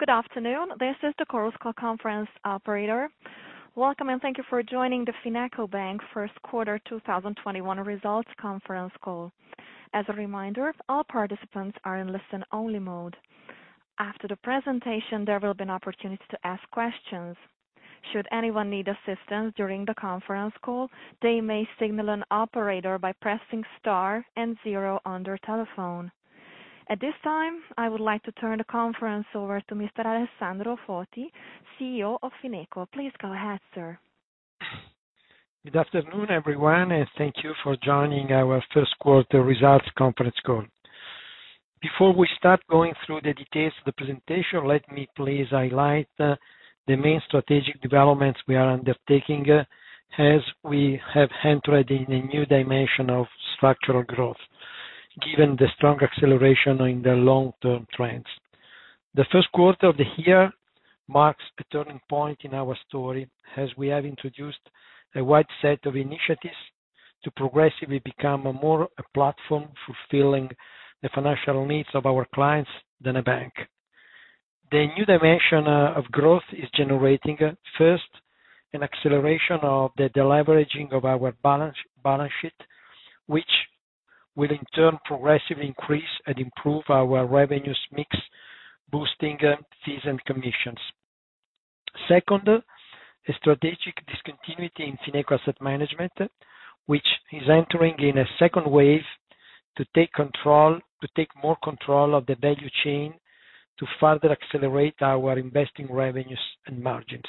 Good afternoon. Welcome. Thank you for joining the FinecoBank First Quarter 2021 Results Conference Call. As a reminder, all participants are in listen-only mode. After the presentation, there will be an opportunity to ask questions. Should anyone need assistance during the conference call, they may signal an operator by pressing star and zero on their telephone. At this time, I would like to turn the conference over to Mr. Alessandro Foti, CEO of Fineco. Please go ahead, sir. Good afternoon, everyone. Thank you for joining our first quarter results conference call. Before we start going through the details of the presentation, let me please highlight the main strategic developments we are undertaking as we have entered in an issue dimension of structural growth, given the strong acceleration in the long-term trends. The first quarter of the year marks a turning point in our story, as we have introduced a wide set of initiatives to progressively become more a platform fulfilling the financial needs of our clients than a bank. The new dimension of growth is generating, first, an acceleration of the deleveraging of our balance sheet, which will in turn progressively increase and improve our revenues mix, boosting fees and commissions. Second, a strategic discontinuity in Fineco Asset Management, which is entering in a second wave to take more control of the value chain to further accelerate our investing revenues and margins.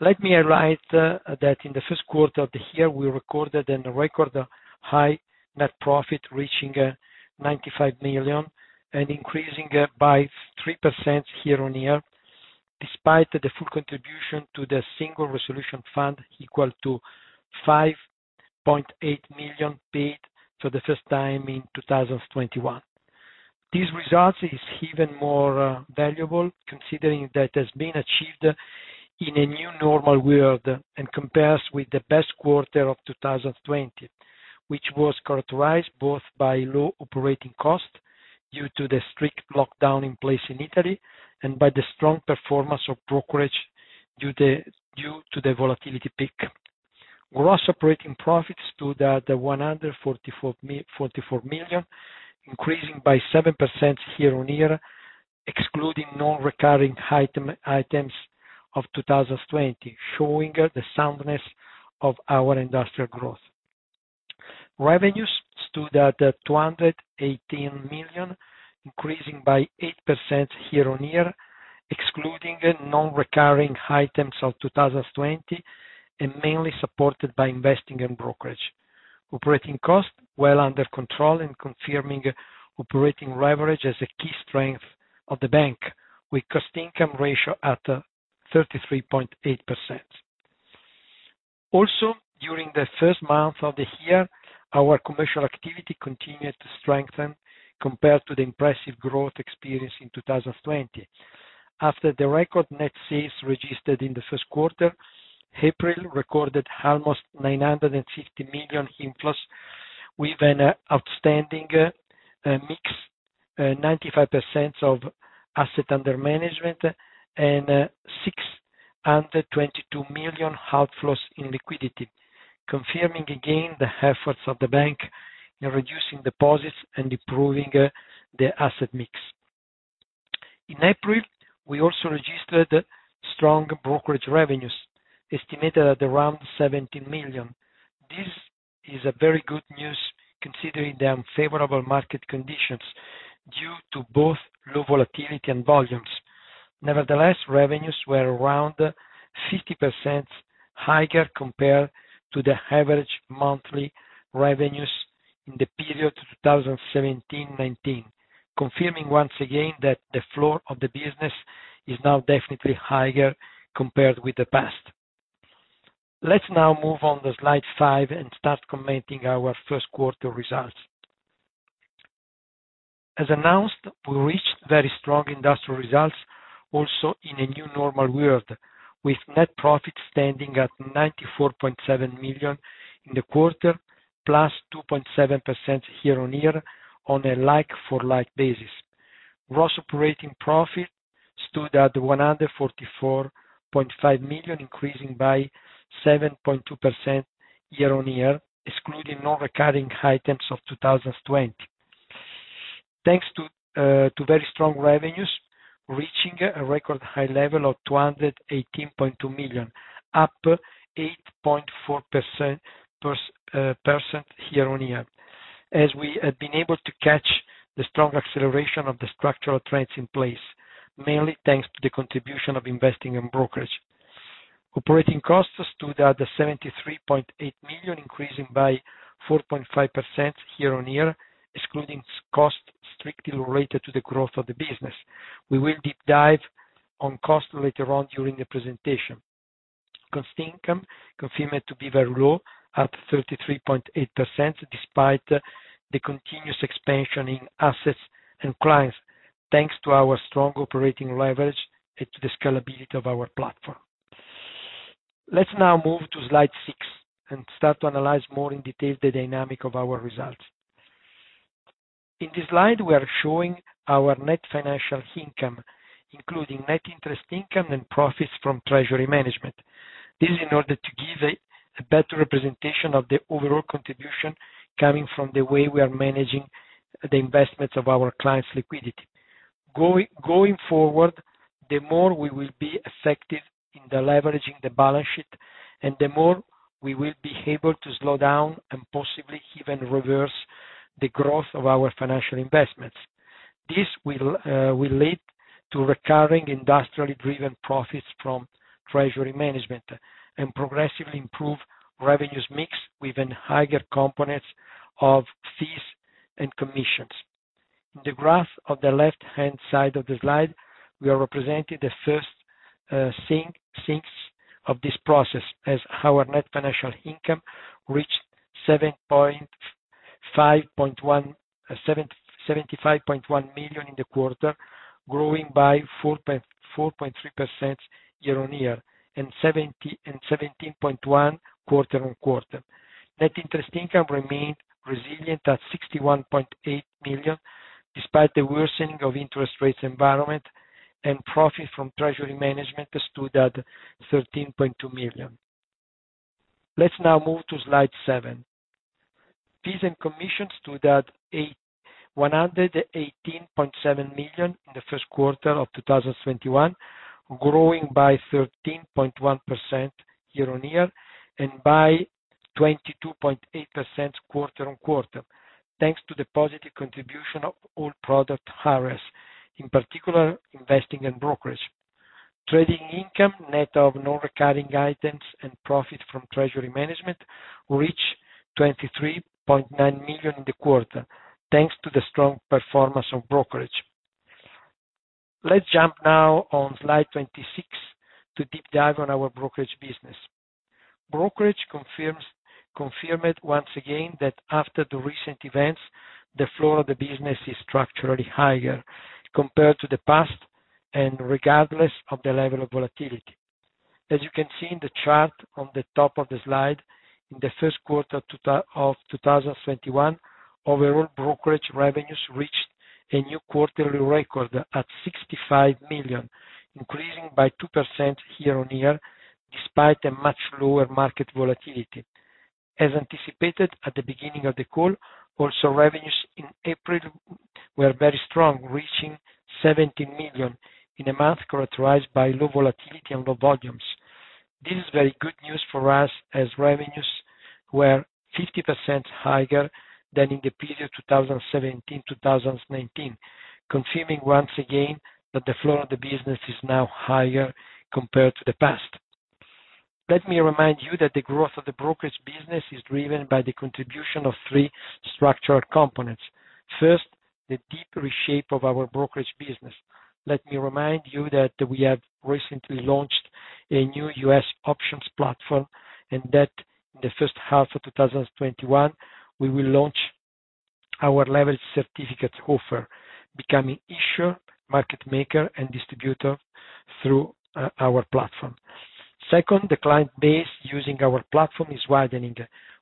Let me highlight that in the first quarter of the year, we recorded a record high net profit, reaching 95 million and increasing by 3% year-on-year, despite the full contribution to the Single Resolution Fund equal to 5.8 million paid for the first time in 2021. These results is even more valuable considering that has been achieved in a new normal world and compares with the best quarter of 2020, which was characterized both by low operating costs due to the strict lockdown in place in Italy and by the strong performance of brokerage due to the volatility peak. Gross operating profits stood at 144 million, increasing by 7% year-on-year, excluding non-recurring items of 2020, showing the soundness of our industrial growth. Revenues stood at 218 million, increasing by 8% year-on-year, excluding non-recurring items of 2020, mainly supported by investing in brokerage. Operating costs well under control, confirming operating leverage as a key strength of the bank, with cost-income ratio at 33.8%. During the first month of the year, our commercial activity continued to strengthen compared to the impressive growth experienced in 2020. After the record net sales registered in the first quarter, April recorded almost 950 million inflows with an outstanding mix, 95% of assets under management, and 622 million outflows in liquidity, confirming again the efforts of the bank in reducing deposits and improving the asset mix. In April, we also registered strong brokerage revenues, estimated at around 17 million. This is a very good news considering the unfavorable market conditions due to both low volatility and volumes. Revenues were around 50% higher compared to the average monthly revenues in the period 2017-2019, confirming once again that the floor of the business is now definitely higher compared with the past. Let's now move on to slide five and start commenting our first quarter results. As announced, we reached very strong industrial results also in a new normal world, with net profit standing at 94.7 million in the quarter, plus 2.7% year-on-year on a like-for-like basis. Gross operating profit stood at 144.5 million, increasing by 7.2% year-on-year, excluding non-recurring items of 2020. Thanks to very strong revenues reaching a record high level of 218.2 million, up 8.4% year-on-year, as we have been able to catch the strong acceleration of the structural trends in place, mainly thanks to the contribution of investing in brokerage. Operating costs stood at 73.8 million, increasing by 4.5% year-on-year, excluding costs strictly related to the growth of the business. We will deep dive on cost later on during the presentation. Cost income confirmed to be very low at 33.8%, despite the continuous expansion in assets and clients, thanks to our strong operating leverage and to the scalability of our platform. Let's now move to slide six and start to analyze more in detail the dynamic of our results. In the slide, we are showing our net financial income, including net interest income and profits from treasury management. This is in order to give a better representation of the overall contribution coming from the way we are managing the investments of our clients' liquidity. Going forward, the more we will be effective in leveraging the balance sheet, and the more we will be able to slow down and possibly even reverse the growth of our financial investments. This will lead to recurring industry-driven profits from treasury management and progressively improve revenue mix with even higher components of fees and commissions. In the graph on the left-hand side of the slide, we are representing the first signs of this process as our net financial income reached 75.1 million in the quarter, growing by 4.3% year-on-year, and 17.1% quarter-on-quarter. Net interest income remained resilient at 61.8 million, despite the worsening of interest rates environment, and profit from treasury management stood at 13.2 million. Let's now move to slide seven. Fees and commissions stood at 118.7 million in the first quarter of 2021, growing by 13.1% year-on-year and by 22.8% quarter-on-quarter, thanks to the positive contribution of all product areas, in particular investing in brokerage. Trading income net of non-recurring items and profit from treasury management reached 23.9 million in the quarter, thanks to the strong performance of brokerage. Let's jump now on slide 26 to deep dive on our brokerage business. Brokerage confirmed once again that after the recent events, the flow of the business is structurally higher compared to the past and regardless of the level of volatility. As you can see in the chart on the top of the slide, in the first quarter of 2021, overall brokerage revenues reached a new quarterly record at 65 million, increasing by 2% year-on-year despite a much lower market volatility. As anticipated at the beginning of the call, also revenues in April were very strong, reaching 17 million in a month characterized by low volatility and low volumes. This is very good news for us as revenues were 50% higher than in the period 2017-2019, confirming once again that the flow of the business is now higher compared to the past. Let me remind you that the growth of the brokerage business is driven by the contribution of three structural components. First, the deep reshape of our brokerage business. Let me remind you that we have recently launched a new US options platform, and that in the first half of 2021, we will launch our leveraged certificates offer, becoming issuer, market maker, and distributor through our platform. Second, the client base using our platform is widening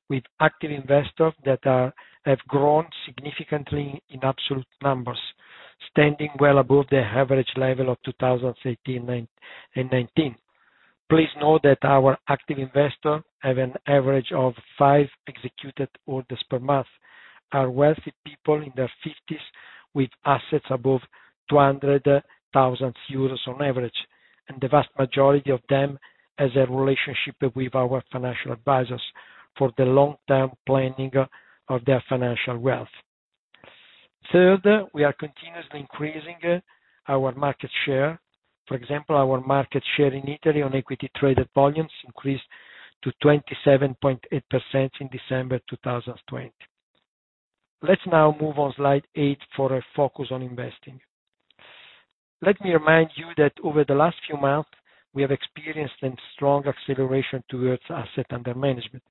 with active investors that have grown significantly in absolute numbers, standing well above the average level of 2018 and 2019. Please note that our active investors have an average of five executed orders per month, are wealthy people in their 50s with assets above 200,000 euros on average, and the vast majority of them has a relationship with our financial advisors for the long-term planning of their financial wealth. Third, we are continuously increasing our market share. For example, our market share in Italy on equity traded volumes increased to 27.8% in December 2020. Let's now move on slide eight for a focus on investing. Let me remind you that over the last few months, we have experienced a strong acceleration towards assets under management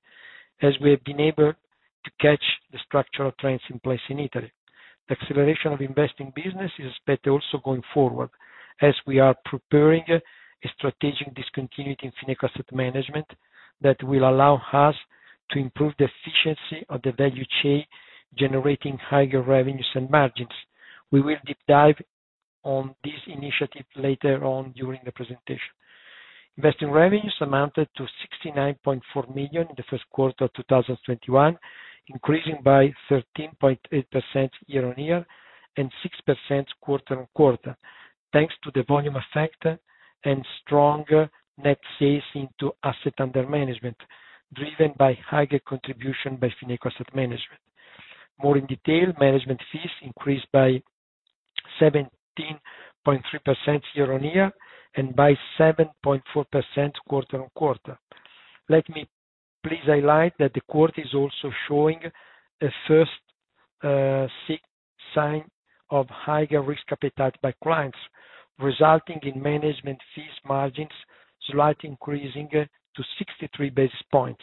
as we have been able to catch the structural trends in place in Italy. Acceleration of investing business is better also going forward as we are preparing a strategic discontinuity in Fineco Asset Management that will allow us to improve the efficiency of the value chain, generating higher revenues and margins. We will deep dive on this initiative later on during the presentation. Investing revenues amounted to 69.4 million in the first quarter of 2021, increasing by 13.8% year-on-year and 6% quarter-on-quarter, thanks to the volume effect and stronger net sales into assets under management, driven by higher contribution by Fineco Asset Management. More in detail, management fees increased by 17.3% year-on-year and by 7.4% quarter-on-quarter. Let me please highlight that the quarter is also showing a first sign of higher risk appetite by clients, resulting in management fees margins slightly increasing to 63 basis points.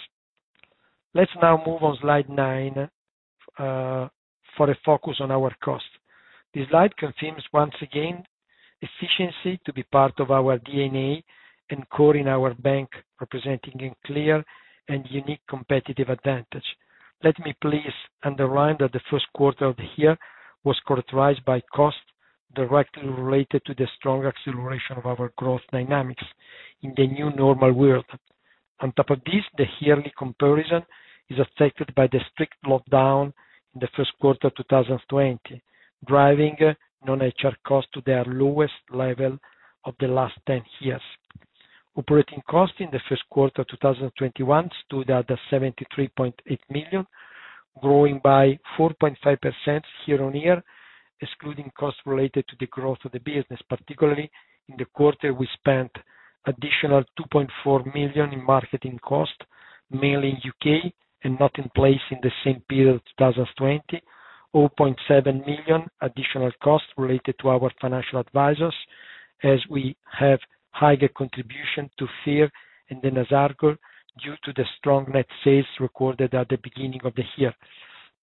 Let's now move on slide nine for a focus on our costs. This slide confirms once again efficiency to be part of our DNA and core in our bank, representing a clear and unique competitive advantage. Let me please underline that the first quarter of the year was characterized by costs directly related to the strong acceleration of our growth dynamics in the new normal world. On top of this, the yearly comparison is affected by the strict lockdown in the first quarter 2020, driving non-HR costs to their lowest level of the last 10 years. Operating costs in the first quarter 2021 stood at 73.8 million, growing by 4.5% year-on-year, excluding costs related to the growth of the business. Particularly, in the quarter, we spent additional 2.4 million in marketing cost, mainly U.K., and not in place in the same period 2020. 0.7 million additional cost related to our financial advisors as we have higher contribution to fee in the ENASARCO due to the strong net sales recorded at the beginning of the year.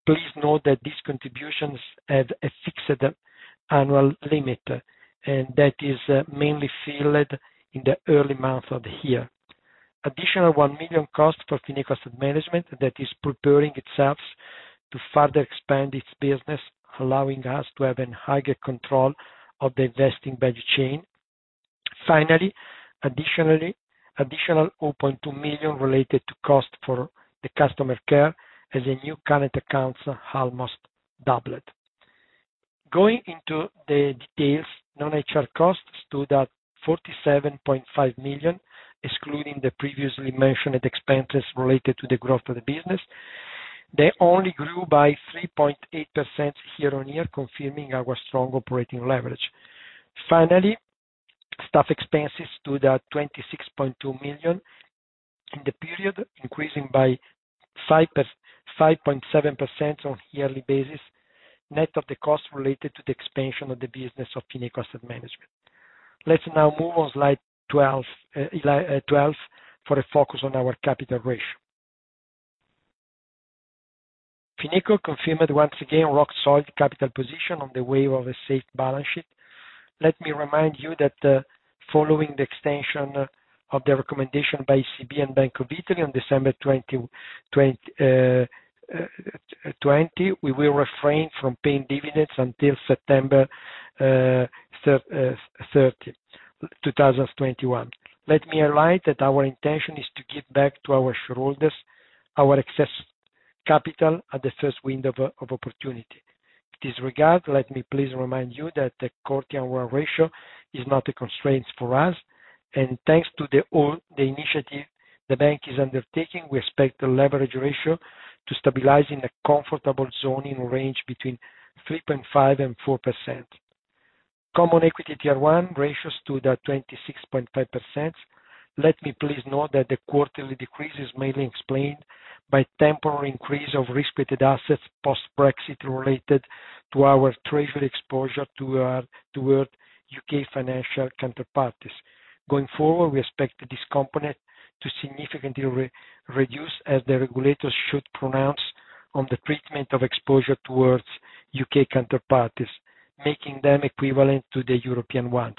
Please note that these contributions have a fixed annual limit, and that is mainly filled in the early months of the year. Additional 1 million cost for Fineco Asset Management that is preparing itself to further expand its business, allowing us to have a higher control of the investing value chain. Finally, additional 0.2 million related to cost for the customer care as new current accounts almost doubled. Going into the details, non-HR costs stood at 47.5 million, excluding the previously mentioned expenses related to the growth of the business. They only grew by 3.8% year-on-year, confirming our strong operating leverage. Staff expenses stood at 26.2 million in the period, increasing by 5.7% on a yearly basis, net of the cost related to the expansion of the business of Fineco Asset Management. Let's now move on slide 12 for a focus on our capital ratio. Fineco confirmed once again rock-solid capital position on the way of a safe balance sheet. Let me remind you that following the extension of the recommendation by ECB and Bank of Italy on December 2020, we will refrain from paying dividends until September 30th, 2021. Let me highlight that our intention is to give back to our shareholders our excess capital at the first window of opportunity. In this regard, let me please remind you that the core Tier 1 ratio is not a constraint for us. Thanks to the initiative the bank is undertaking, we expect the leverage ratio to stabilize in a comfortable zoning range between 3.5% and 4%. Common Equity Tier 1 ratio stood at 26.5%. Let me please note that the quarterly decrease is mainly explained by temporary increase of risk-weighted assets, post-Brexit related to our treasury exposure toward U.K. financial counterparties. Going forward, we expect this component to significantly reduce as the regulators should pronounce on the treatment of exposure towards U.K. counterparties, making them equivalent to the European ones.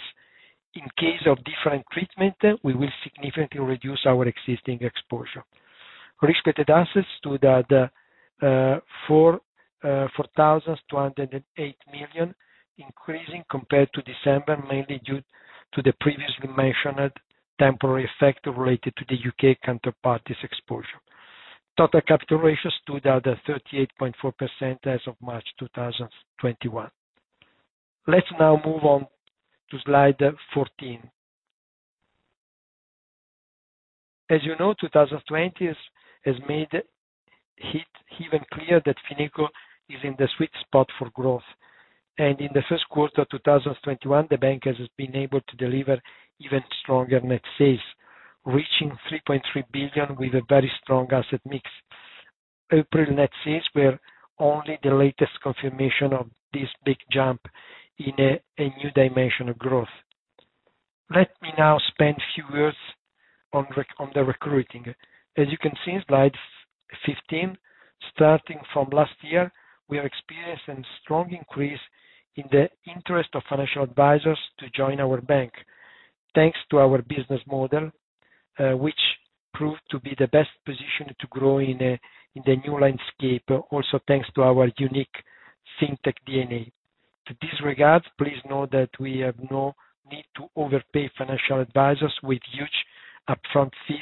In case of different treatment, we will significantly reduce our existing exposure. Risk-weighted assets stood at 4,208 million, increasing compared to December, mainly due to the previously mentioned temporary effect related to the U.K. counterparties exposure. Total capital ratio stood at 38.4% as of March 2021. Let's now move on to slide 14. As you know, 2020 has made it even clear that Fineco is in the sweet spot for growth. In the first quarter of 2021, the bank has been able to deliver even stronger net sales, reaching 3.3 billion with a very strong asset mix. April net sales were only the latest confirmation of this big jump in a new dimension of growth. Let me now spend a few words on the recruiting. As you can see in slide 15, starting from last year, we are experiencing strong increase in the interest of financial advisors to join our bank, thanks to our business model, which proved to be the best position to grow in the new landscape, also thanks to our unique fintech DNA. To this regard, please know that we have no need to overpay financial advisors with huge upfront fees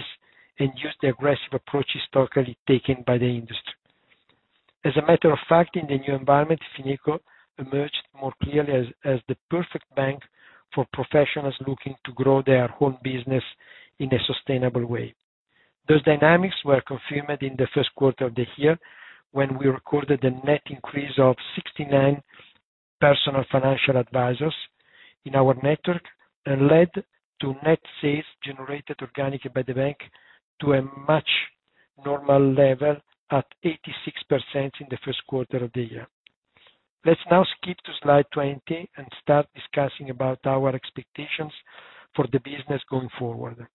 and use the aggressive approach historically taken by the industry. As a matter of fact, in the new environment, Fineco emerged more clearly as the perfect bank for professionals looking to grow their own business in a sustainable way. Those dynamics were confirmed in the first quarter of the year when we recorded a net increase of 69 personal financial advisors in our network and led to net sales generated organically by the bank to a much normal level at 86% in the first quarter of the year. Let's now skip to slide 20 and start discussing about our expectations for the business going forward.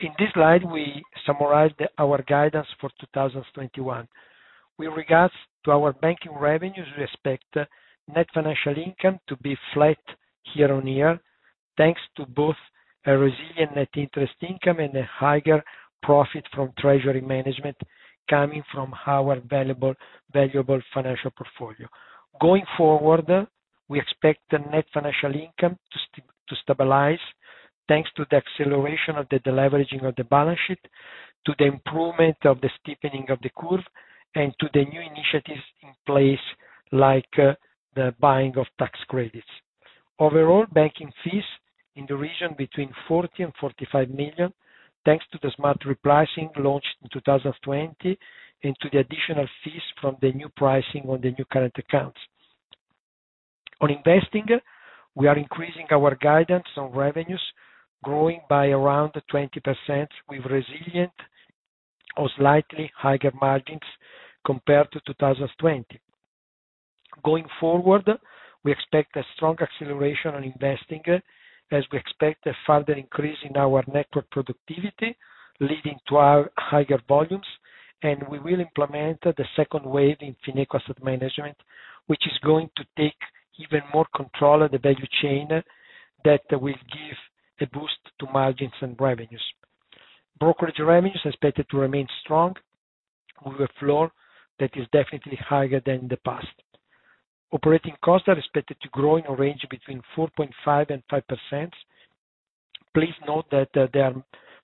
In this slide, we summarized our guidance for 2021. With regards to our banking revenues, we expect net financial income to be flat year-on-year, thanks to both a resilient net interest income and a higher profit from treasury management coming from our valuable financial portfolio. Going forward, we expect the net financial income to stabilize, thanks to the acceleration of the deleveraging of the balance sheet, to the improvement of the steepening of the curve, and to the new initiatives in place, like the buying of tax credits. Overall, banking fees in the region between 40 million and 45 million, thanks to the smart repricing launched in 2020, and to the additional fees from the new pricing on the new current accounts. On investing, we are increasing our guidance on revenues, growing by around 20% with resilient or slightly higher margins compared to 2020. Going forward, we expect a strong acceleration on investing as we expect a further increase in our network productivity, leading to higher volumes. We will implement the second wave in Fineco Asset Management, which is going to take even more control of the value chain that will give a boost to margins and revenues. Brokerage revenues are expected to remain strong, with a floor that is definitely higher than the past. Operating costs are expected to grow in a range between 4.5%-5%. Please note that there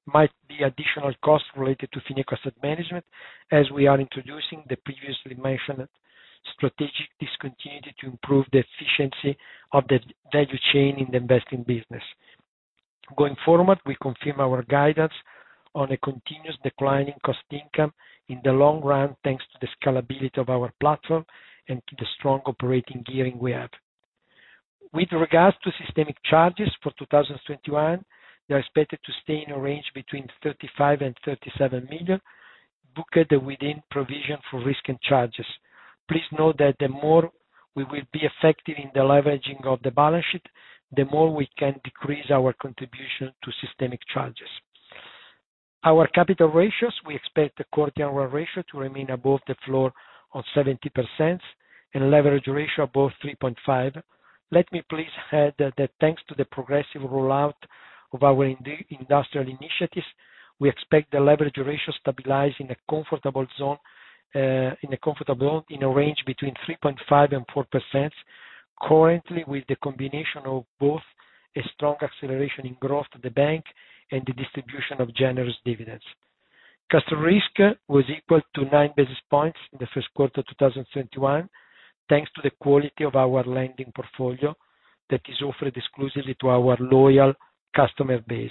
might be additional costs related to Fineco Asset Management, as we are introducing the previously mentioned strategic discontinuity to improve the efficiency of the value chain in the investing business. Going forward, we confirm our guidance on a continuous decline in cost income in the long run, thanks to the scalability of our platform and to the strong operating leverage we have. With regards to systemic charges for 2021, they're expected to stay in a range between 35 million and 37 million, booked within provision for risk and charges. Please note that the more we will be effective in deleveraging of the balance sheet, the more we can decrease our contribution to systemic charges. Our capital ratios, we expect the core Tier 1 ratio to remain above the floor of 70% and leverage ratio above 3.5%. Let me please add that thanks to the progressive rollout of our industrial initiatives, we expect the leverage ratio to stabilize in a comfortable zone, in a range between 3.5% and 4%, currently, with the combination of both a strong acceleration in growth of the bank and the distribution of generous dividends cost of risk was equal to nine basis points in the first quarter of 2021, thanks to the quality of our lending portfolio that is offered exclusively to our loyal customer base.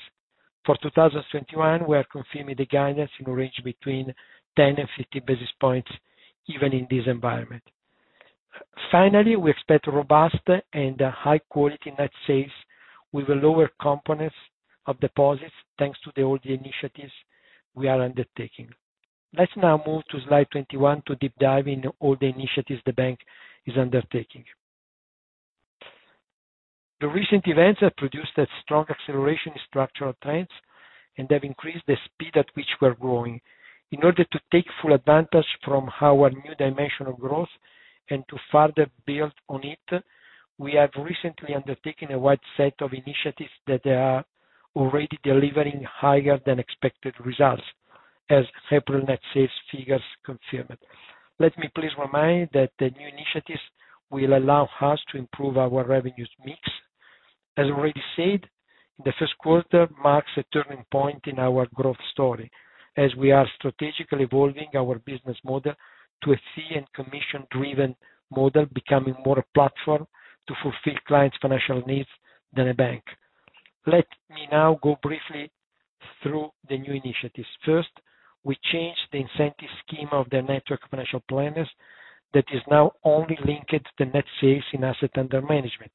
For 2021, we are confirming the guidance in a range between 10 and 15 basis points even in this environment. Finally, we expect robust and high-quality net sales with a lower component of deposits, thanks to all the initiatives we are undertaking. Let's now move to slide 21 to deep dive in all the initiatives the bank is undertaking. The recent events have produced a strong acceleration in structural trends and have increased the speed at which we're growing. In order to take full advantage from our new dimension of growth and to further build on it, we have recently undertaken a wide set of initiatives that are already delivering higher than expected results, as February net sales figures confirmed. Let me please remind that the new initiatives will allow us to improve our revenues mix. As already said, the first quarter marks a turning point in our growth story, as we are strategically evolving our business model to a fee and commission-driven model, becoming more a platform to fulfill clients' financial needs than a bank. Let me now go briefly through the new initiatives. First, we changed the incentive scheme of the network financial planners that is now only linked to the net sales in assets under management.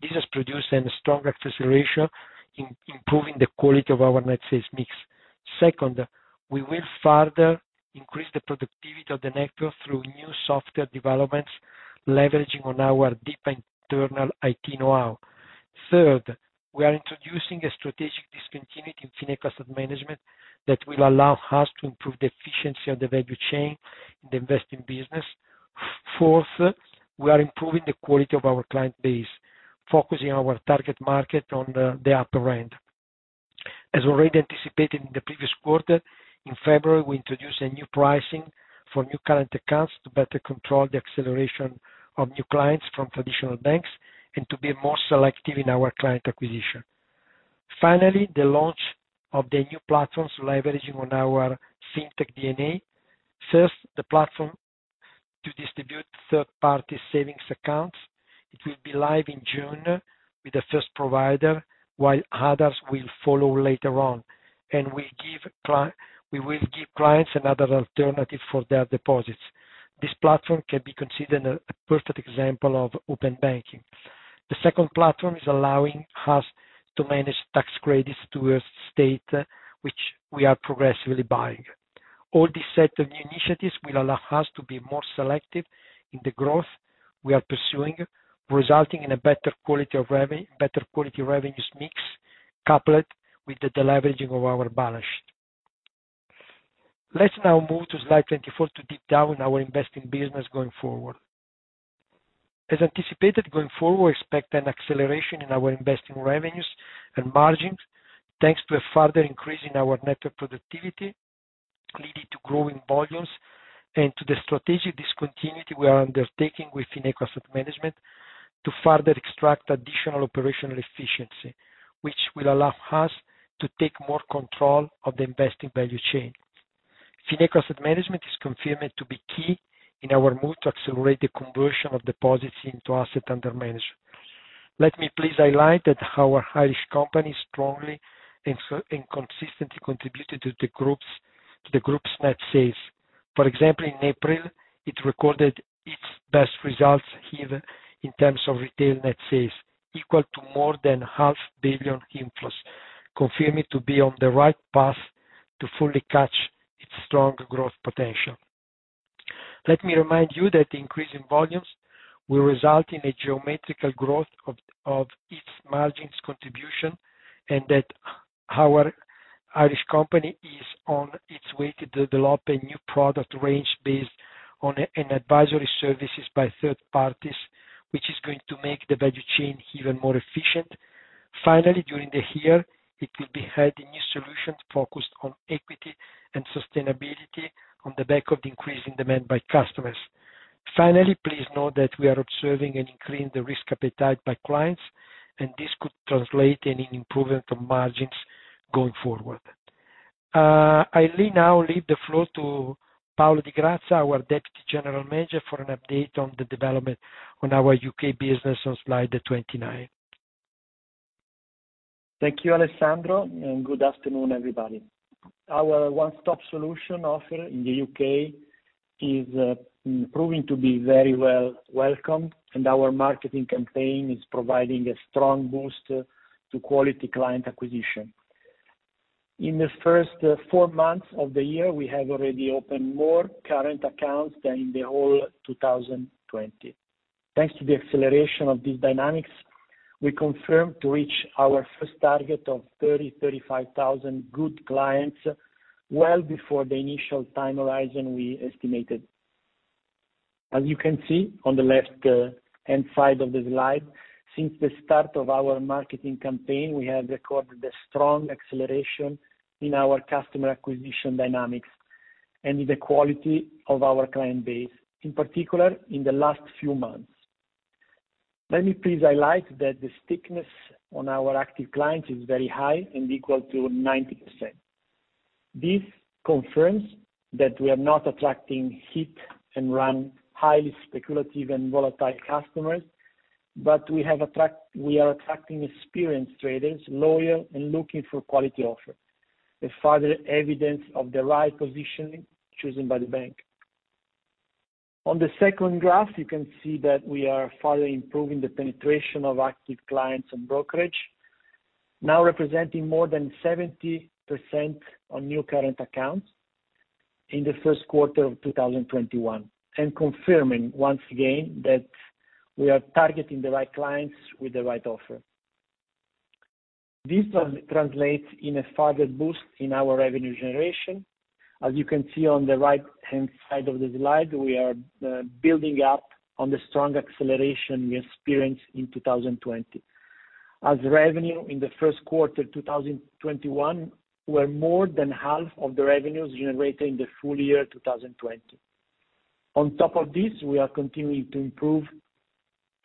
This has produced a stronger acceleration in improving the quality of our net sales mix. Second, we will further increase the productivity of the network through new software developments, leveraging on our deep internal IT know-how. Third, we are introducing a strategic discontinuity in Fineco Asset Management that will allow us to improve the efficiency of the value chain in the investing business. Fourth, we are improving the quality of our client base, focusing our target market on the upper end. As already anticipated in the previous quarter, in February, we introduced a new pricing for new current accounts to better control the acceleration of new clients from traditional banks and to be more selective in our client acquisition. Finally, the launch of the new platforms leveraging on our Fintech DNA. First, the platform to distribute third-party savings accounts. It will be live in June with the first provider, while others will follow later on. We will give clients another alternative for their deposits. This platform can be considered a perfect example of open banking. The second platform is allowing us to manage tax credits to a state which we are progressively buying. All these set of initiatives will allow us to be more selective in the growth we are pursuing, resulting in a better quality revenues mix, coupled with the deleveraging of our balance sheet. Let's now move to slide 24 to deep down our investing business going forward. As anticipated, going forward, we expect an acceleration in our investing revenues and margins, thanks to a further increase in our network productivity, leading to growing volumes, and to the strategic discontinuity we are undertaking with Fineco Asset Management to further extract additional operational efficiency, which will allow us to take more control of the investing value chain. Fineco Asset Management is confirmed to be key in our move to accelerate the conversion of deposits into assets under management. Let me please highlight that our Irish company strongly and consistently contributed to the group's net sales. For example, in April, it recorded its best results even in terms of retail net sales, equal to more than half billion inflows, confirmed to be on the right path to fully catch its strong growth potential. Let me remind you that increase in volumes will result in a geometrical growth of its margins contribution, and that our Irish company is on its way to develop a new product range based on an advisory services by third parties, which is going to make the value chain even more efficient. Finally, during the year, it will be having new solutions focused on equity and sustainability on the back of increasing demand by customers. Finally, please note that we are observing an increase in the risk appetite by clients, and this could translate any improvement on margins going forward. I now leave the floor to Paolo Di Grazia, our deputy general manager, for an update on the development on our U.K. business on slide 29. Thank you, Alessandro, and good afternoon, everybody. Our one-stop solution offer in the U.K. is proving to be very well welcomed, and our marketing campaign is providing a strong boost to quality client acquisition. In the first four months of the year, we have already opened more current accounts than in the whole 2020. Thanks to the acceleration of these dynamics, we confirm to reach our first target of 30,000-35,000 good clients well before the initial time horizon we estimated. As you can see on the left-hand side of the slide, since the start of our marketing campaign, we have recorded a strong acceleration in our customer acquisition dynamics and in the quality of our client base, in particular in the last few months. Let me please highlight that the stickiness on our active clients is very high and equal to 90%. This confirms that we are not attracting hit-and-run, highly speculative and volatile customers, but we are attracting experienced traders, loyal and looking for quality offers. A further evidence of the right positioning chosen by the bank. On the second graph, you can see that we are further improving the penetration of active clients on brokerage, now representing more than 70% on new current accounts in the first quarter of 2021, and confirming once again that we are targeting the right clients with the right offer. This translates in a further boost in our revenue generation. As you can see on the right-hand side of the slide, we are building up on the strong acceleration we experienced in 2020. As revenue in the first quarter 2021 were more than half of the revenues generated in the full-year 2020. On top of this, we are continuing to improve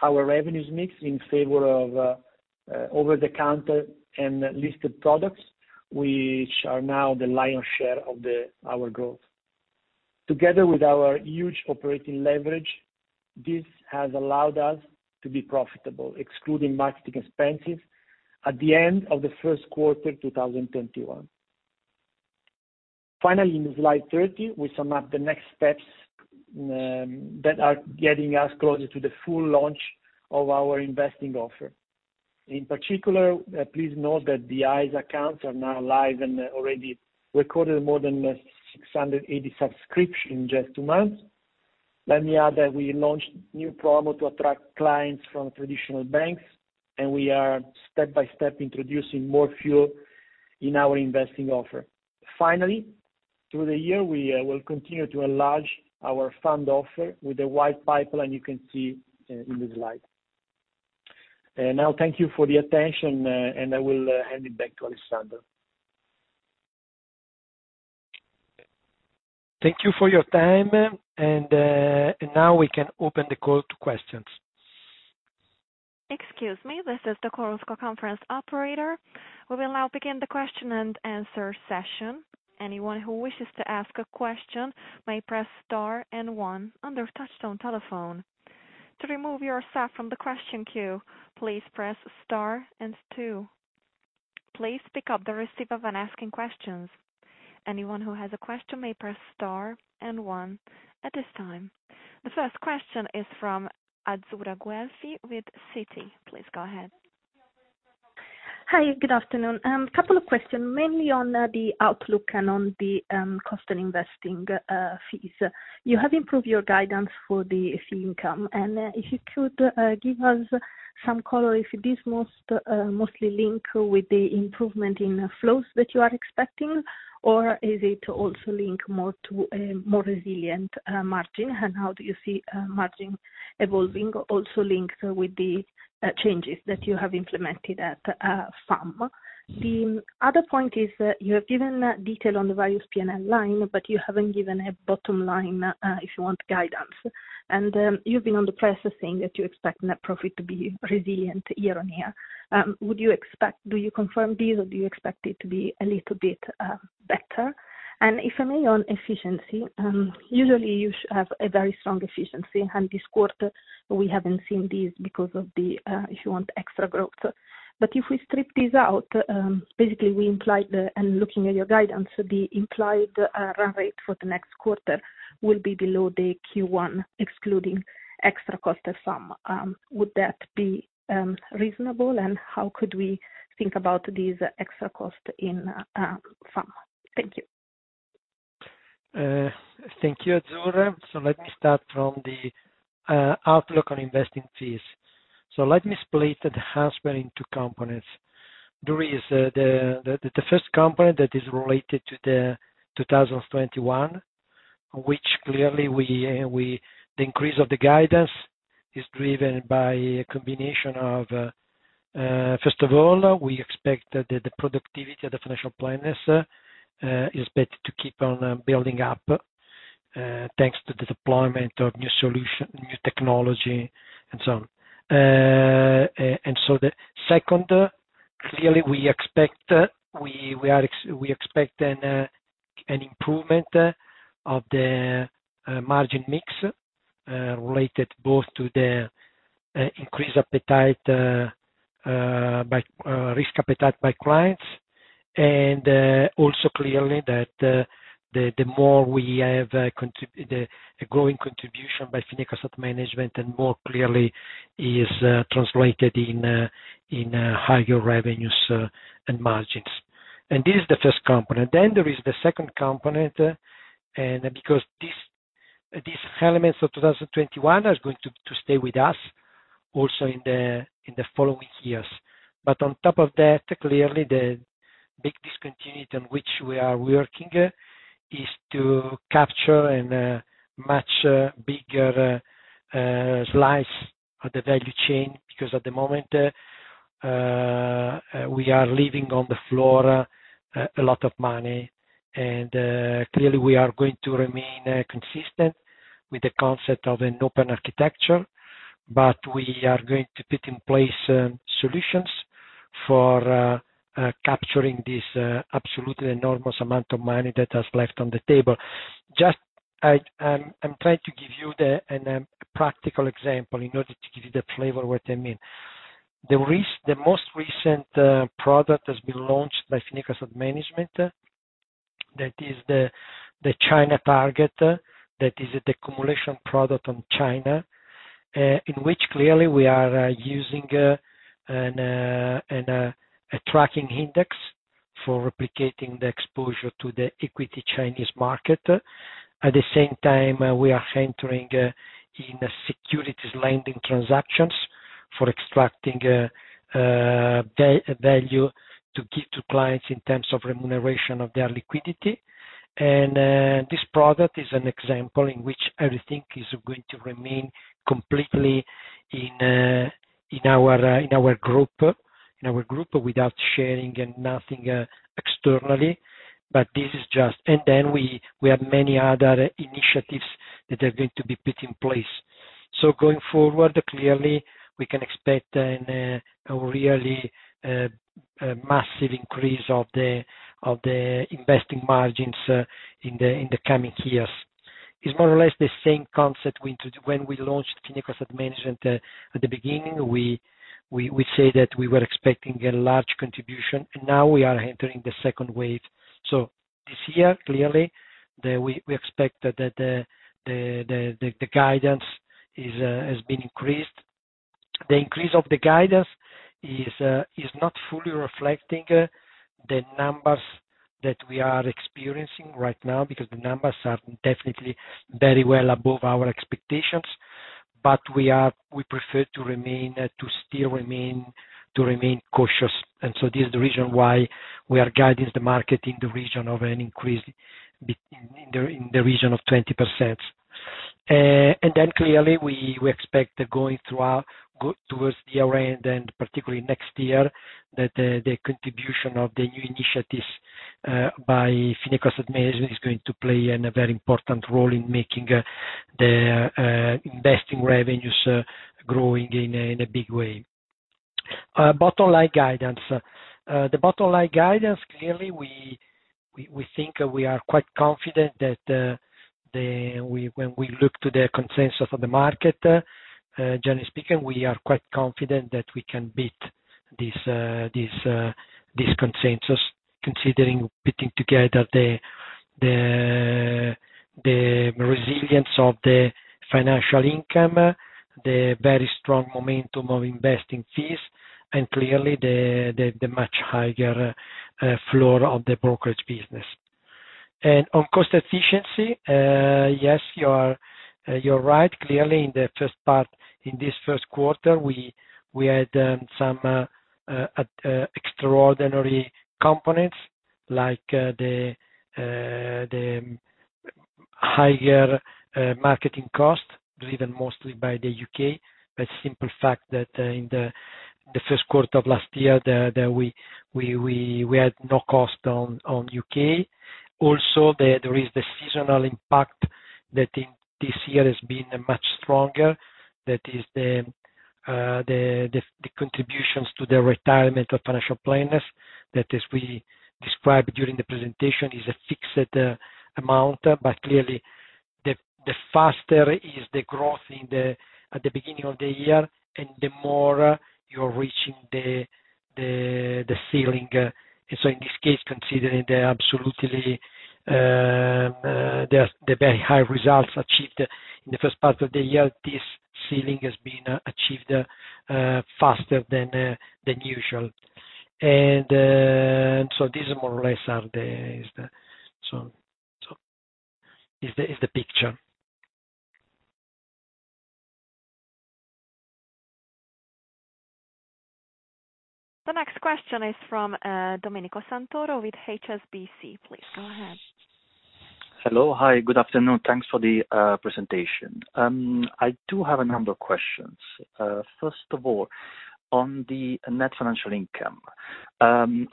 our revenues mix in favor of over-the-counter and listed products, which are now the lion's share of our growth. Together with our huge operating leverage, this has allowed us to be profitable, excluding marketing expenses, at the end of the first quarter 2021. Finally, in slide 30, we sum up the next steps that are getting us closer to the full launch of our investing offer. In particular, please note that the ISAs accounts are now live and already recorded more than 680 subscriptions in just two months. Let me add that we launched new promo to attract clients from traditional banks, and we are step by step introducing more fuel in our investing offer. Finally, through the year, we will continue to enlarge our fund offer with a wide pipeline you can see in the slide. Thank you for the attention, and I will hand it back to Alessandro. Thank you for your time, and now we can open the call to questions. Excuse me, this is the conference call operator. We will now begin the question-and-answer session. Anyone who wishes to ask a question may press star and one on their touchtone telephone. To remove yourself from the question queue, please press star and two. Please pick up the receiver when asking questions. Anyone who has a question may press star and one at this time. The first question is from Azzurra Guelfi with Citi. Please go ahead. Hi, good afternoon. A couple of questions, mainly on the outlook and on the cost and investing fees. You have improved your guidance for the fee income, if you could give us some color if this mostly link with the improvement in flows that you are expecting, or is it also link more to a more resilient margin, and how do you see margin evolving also linked with the changes that you have implemented at FAM? The other point is that you have given detail on the various P&L line, but you haven't given a bottom line, if you want guidance. You've been on the press saying that you expect net profit to be resilient year-over-year. Do you confirm this or do you expect it to be a little bit better? If I may, on efficiency, usually you should have a very strong efficiency. This quarter, we haven't seen this because of the, if you want, extra growth. If we strip this out, basically we implied, and looking at your guidance, the implied run rate for the next quarter will be below the Q1 excluding extra cost of FAM. Would that be reasonable, and how could we think about this extra cost in FAM? Thank you. Thank you, Azzurra. Let me start from the outlook on investing fees. Let me split the enhancement into components. The first component that is related to the 2021, which clearly the increase of the guidance is driven by a combination of, first of all, we expect that the productivity of the financial planners is better to keep on building up, thanks to the deployment of new solution, new technology, and so on. The second, clearly we expect an improvement of the margin mix, related both to the increased risk appetite by clients, and also clearly that the more we have a growing contribution by Fineco Asset Management, and more clearly is translated in higher revenues and margins. This is the first component. There is the second component, and because these elements of 2021 are going to stay with us also in the following years. On top of that, clearly the big discontinuity on which we are working is to capture a much bigger slice of the value chain, because at the moment, we are leaving on the floor a lot of money. Clearly we are going to remain consistent with the concept of an open architecture, but we are going to put in place solutions for capturing this absolutely enormous amount of money that has left on the table. I'm trying to give you a practical example in order to give you the flavor what I mean. The most recent product has been launched by Fineco Asset Management. That is the Target China. That is the accumulation product on China, in which clearly we are using a tracking index for replicating the exposure to the equity Chinese market. At the same time, we are entering in securities lending transactions for extracting value to give to clients in terms of remuneration of their liquidity. This product is an example in which everything is going to remain completely in our group without sharing nothing externally. Then we have many other initiatives that are going to be put in place. Going forward, clearly, we can expect a really massive increase of the investing margins in the coming years. It is more or less the same concept when we launched Fineco Asset Management. At the beginning, we say that we were expecting a large contribution, and now we are entering the second wave. This year, clearly, we expect that the guidance has been increased. The increase of the guidance is not fully reflecting the numbers that we are experiencing right now, because the numbers are definitely very well above our expectations. We prefer to remain cautious. This is the reason why we are guiding the market in the region of an increase in the region of 20%. Clearly, we expect that going towards the year-end, and particularly next year, that the contribution of the new initiatives by Fineco Asset Management is going to play a very important role in making the investing revenues growing in a big way. Bottom line guidance. The bottom line guidance, clearly we think we are quite confident that when we look to the consensus of the market, generally speaking, we are quite confident that we can beat this consensus, considering putting together the resilience of the financial income, the very strong momentum of investing fees, and clearly the much higher floor of the brokerage business. On cost efficiency, yes, you are right. Clearly, in the first part, in this first quarter, we had some extraordinary components, like the higher marketing cost, driven mostly by the U.K. By simple fact that in the first quarter of last year, we had no cost on U.K. Also, there is the seasonal impact that in this year has been much stronger. That is the contributions to the retirement of financial planners. That, as we described during the presentation, is a fixed amount. Clearly, the faster is the growth at the beginning of the year, and the more you're reaching the ceiling. In this case, considering the very high results achieved in the first part of the year, this ceiling has been achieved faster than usual. These more or less are the picture. The next question is from Domenico Santoro with HSBC. Please go ahead. Hello. Hi, good afternoon. Thanks for the presentation. I do have a number of questions. First of all, on the net financial income.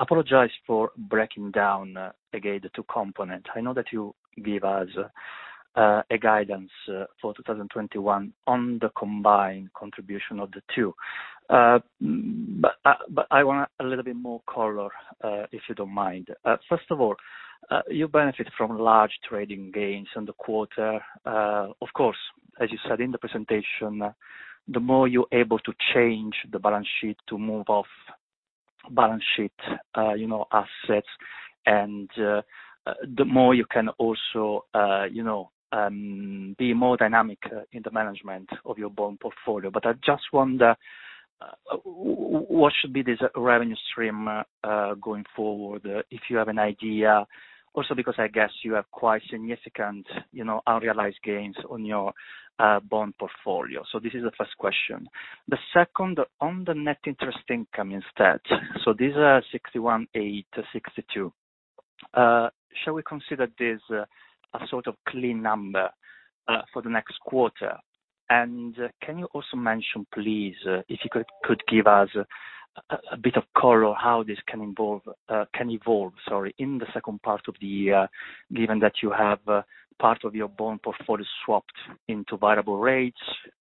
Apologize for breaking down again the two component. I know that you give us a guidance for 2021 on the combined contribution of the two. I want a little bit more color, if you don't mind. First of all, you benefit from large trading gains in the quarter. Of course, as you said in the presentation, the more you're able to change the balance sheet to move off balance sheet assets, and the more you can also be more dynamic in the management of your bond portfolio. I just wonder, what should be this revenue stream going forward, if you have an idea. Because I guess you have quite significant unrealized gains on your bond portfolio. This is the first question. The second, on the net interest income instead. These are 61.8-62. Shall we consider this a sort of clean number for the next quarter? Can you also mention, please, if you could give us a bit of color how this can evolve, sorry, in the second part of the year, given that you have part of your bond portfolio swapped into variable rates.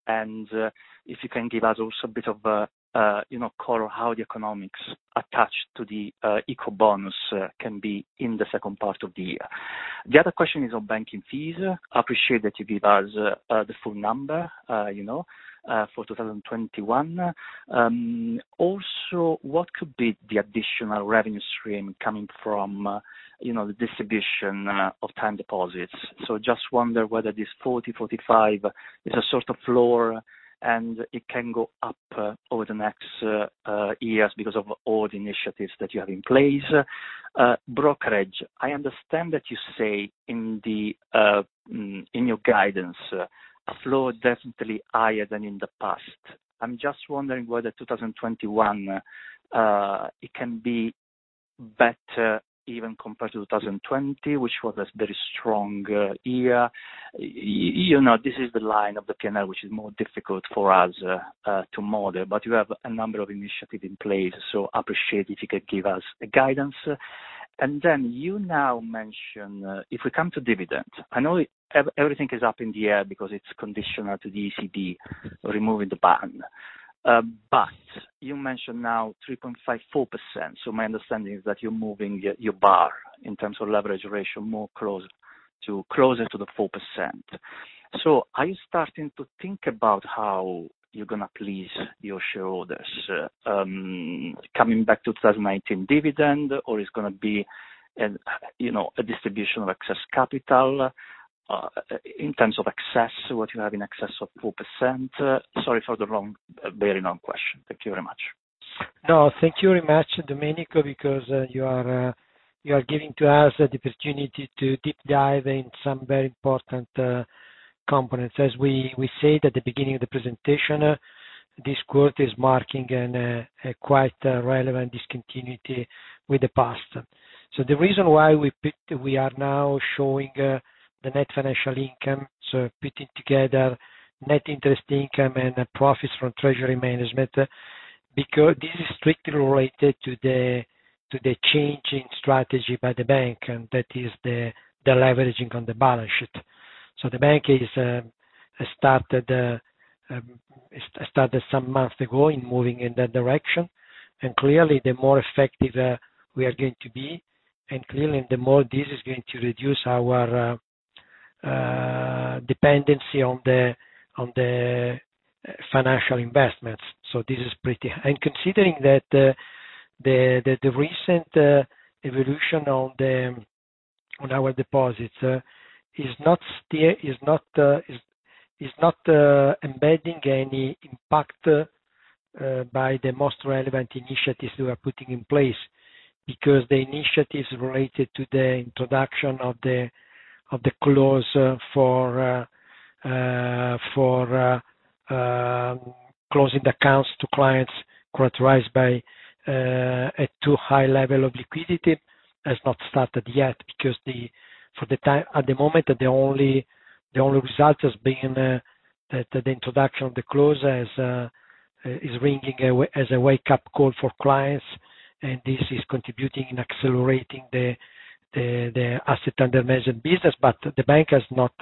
If you can give us also a bit of color how the economics attached to the Ecobonus can be in the second part of the year. The other question is on banking fees. I appreciate that you give us the full number for 2021. Also, what could be the additional revenue stream coming from the distribution of time deposits? Just wonder whether this 40, 45 is a sort of floor and it can go up over the next years because of all the initiatives that you have in place. Brokerage, I understand that you say in your guidance a flow definitely higher than in the past. I'm just wondering whether 2021, it can be better even compared to 2020, which was a very strong year. This is the line of the P&L, which is more difficult for us to model. You have a number of initiatives in place, so appreciate if you could give us a guidance. Then you now mention, if we come to dividend, I know everything is up in the air because it's conditional to the ECB removing the ban. You mentioned now 3.5% to 4%. My understanding is that you're moving your bar in terms of leverage ratio more closer to the 4%. Are you starting to think about how you're going to please your shareholders, coming back to 2019 dividend, or it's going to be a distribution of excess capital, in terms of excess, what you have in excess of 4%? Sorry for the very long question. Thank you very much. Thank you very much, Domenico, because you are giving to us the opportunity to deep dive in some very important components. As we said at the beginning of the presentation, this quarter is marking a quite relevant discontinuity with the past. The reason why we are now showing the net financial income, putting together net interest income and profits from treasury management, because this is strictly related to the change in strategy by the bank, and that is the deleveraging on the balance sheet. The bank started some months ago in moving in that direction. Clearly, the more effective we are going to be, and clearly, the more this is going to reduce our dependency on the financial investments. This is pretty. Considering that the recent evolution on our deposits is not embedding any impact by the most relevant initiatives we are putting in place, because the initiatives related to the introduction of the clause for closing the accounts to clients characterized by a too high level of liquidity has not started yet, because at the moment, the only result has been that the introduction of the clause as ringing as a wake-up call for clients, and this is contributing and accelerating the assets under management business. The bank has not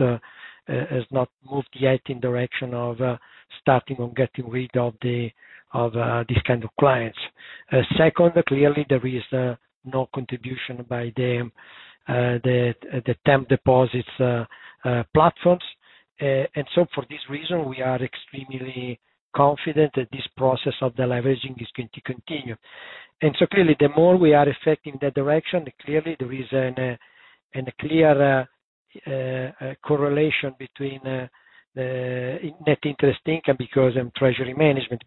moved yet in direction of starting on getting rid of these kind of clients. Second, clearly, there is no contribution by the term deposits platforms. For this reason, we are extremely confident that this process of deleveraging is going to continue. Clearly, the more we are affecting the direction, clearly there is a clear correlation between the net interest income and treasury management.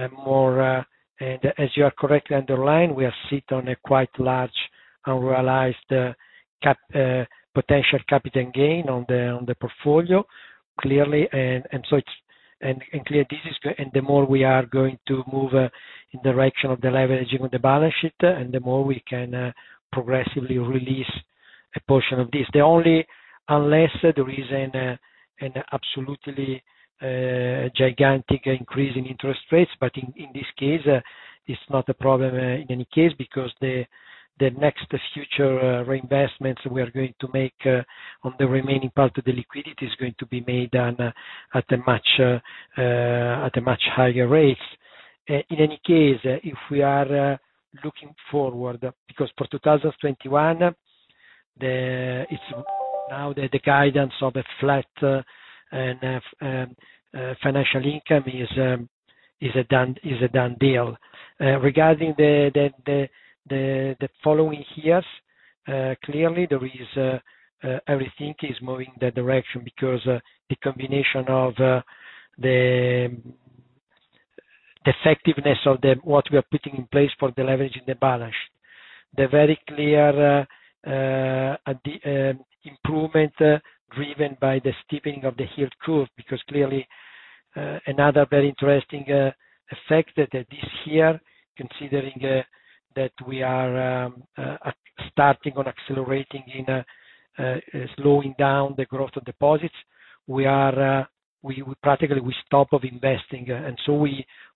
As you have correctly underlined, we are sit on a quite large unrealized potential capital gain on the portfolio, clearly. The more we are going to move in direction of deleveraging of the balance sheet, the more we can progressively release a portion of this. Unless there is an absolutely gigantic increase in interest rates. In this case, it's not a problem in any case, because the next future reinvestments we are going to make on the remaining part of the liquidity is going to be made at a much higher rate. In any case, if we are looking forward, because for 2021, it's now the guidance of a flat financial income is a done deal. Regarding the following years, clearly, everything is moving in that direction because the combination of the effectiveness of what we are putting in place for deleveraging the balance, the very clear improvement driven by the steepening of the yield curve, because clearly, another very interesting effect that this year, considering that we are starting on accelerating in slowing down the growth of deposits, practically, we stop of investing.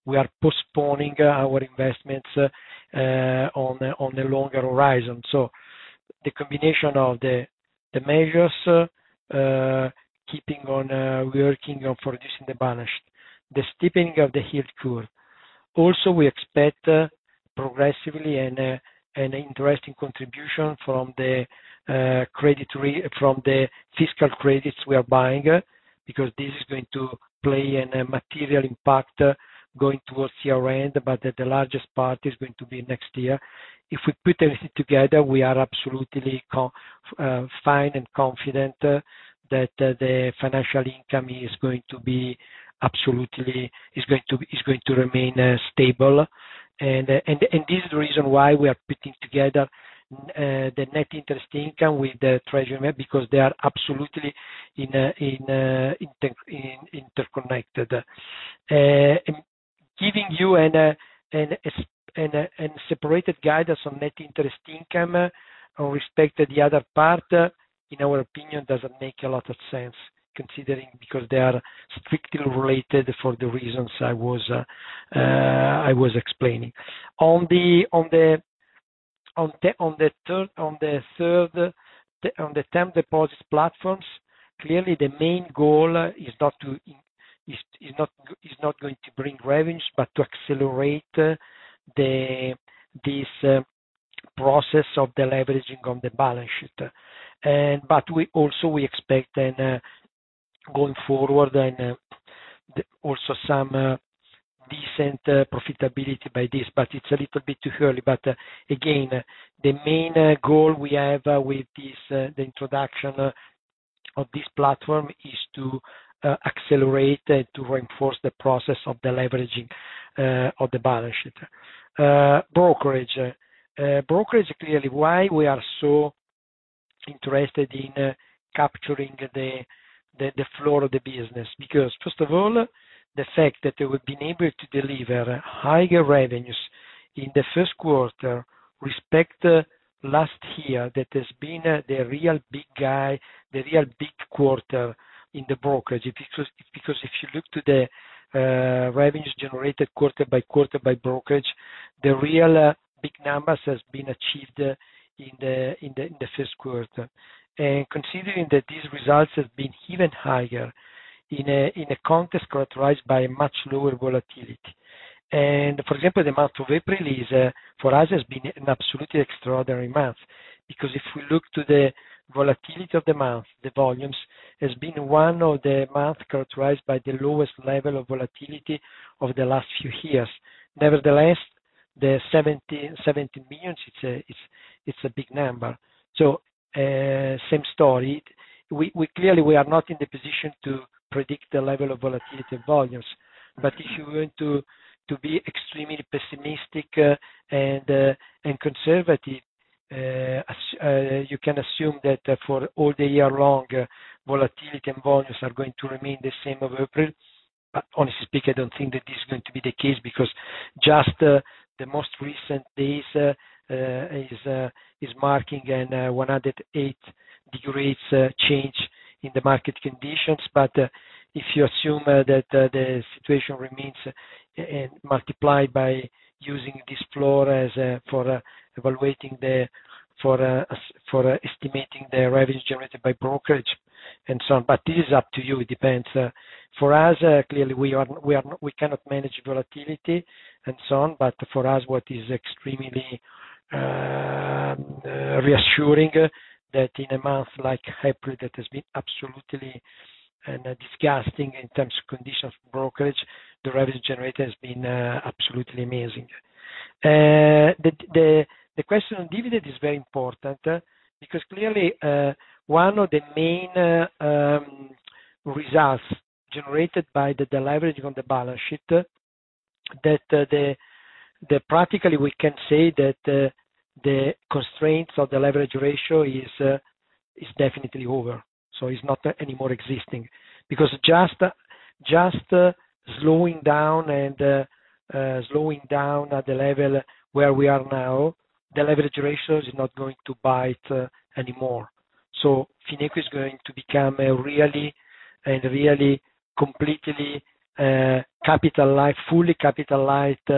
We are postponing our investments on a longer horizon. The combination of the measures, keeping on working on reducing the balance, the steepening of the yield curve. Also, we expect progressively an interesting contribution from the fiscal credits we are buying, because this is going to play a material impact going towards year-end, but the largest part is going to be next year. If we put everything together, we are absolutely fine and confident that the financial income is going to remain stable. This is the reason why we are putting together the net interest income with the treasury net, because they are absolutely interconnected. Giving you a separated guidance on net interest income with respect to the other part, in our opinion, doesn't make a lot of sense, considering because they are strictly related for the reasons I was explaining. On the term deposits platforms, clearly, the main goal is not going to bring revenues, but to accelerate this process of deleveraging on the balance sheet. Also, we expect going forward, also some decent profitability by this, but it's a little bit too early. Again, the main goal we have with the introduction of this platform is to accelerate, to reinforce the process of deleveraging of the balance sheet. Brokerage. Brokerage, clearly, why we are so interested in capturing the flow of the business, first of all, the fact that we've been able to deliver higher revenues in the first quarter, compared to last year, that has been the real big quarter in the brokerage. If you look to the revenues generated quarter by quarter by brokerage, the real big numbers has been achieved in the first quarter. Considering that these results have been even higher in a context characterized by much lower volatility. For example, the month of April for us has been an absolutely extraordinary month. If we look to the volatility of the month, the volumes, has been one of the month characterized by the lowest level of volatility over the last few years. Nevertheless, the 17 million, it's a big number. Same story. Clearly, we are not in the position to predict the level of volatility and volumes. If you were to be extremely pessimistic and conservative, you can assume that for all the year long, volatility and volumes are going to remain the same of April. Honestly speaking, I don't think that this is going to be the case because just the most recent days is marking an 108-degree rates change in the market conditions. If you assume that the situation remains, and multiply by using this floor for estimating the revenues generated by brokerage and so on. This is up to you, it depends. For us, clearly, we cannot manage volatility and so on. For us, what is extremely reassuring, that in a month like April, that has been absolutely disgusting in terms of conditions brokerage, the revenue generated has been absolutely amazing. The question on dividend is very important, because clearly, one of the main results generated by the deleveraging on the balance sheet, that practically we can say that the constraints of the leverage ratio is definitely over. It's not anymore existing. Because just slowing down at the level where we are now, the leverage ratio is not going to bite anymore. Fineco is going to become a really completely fully capitalized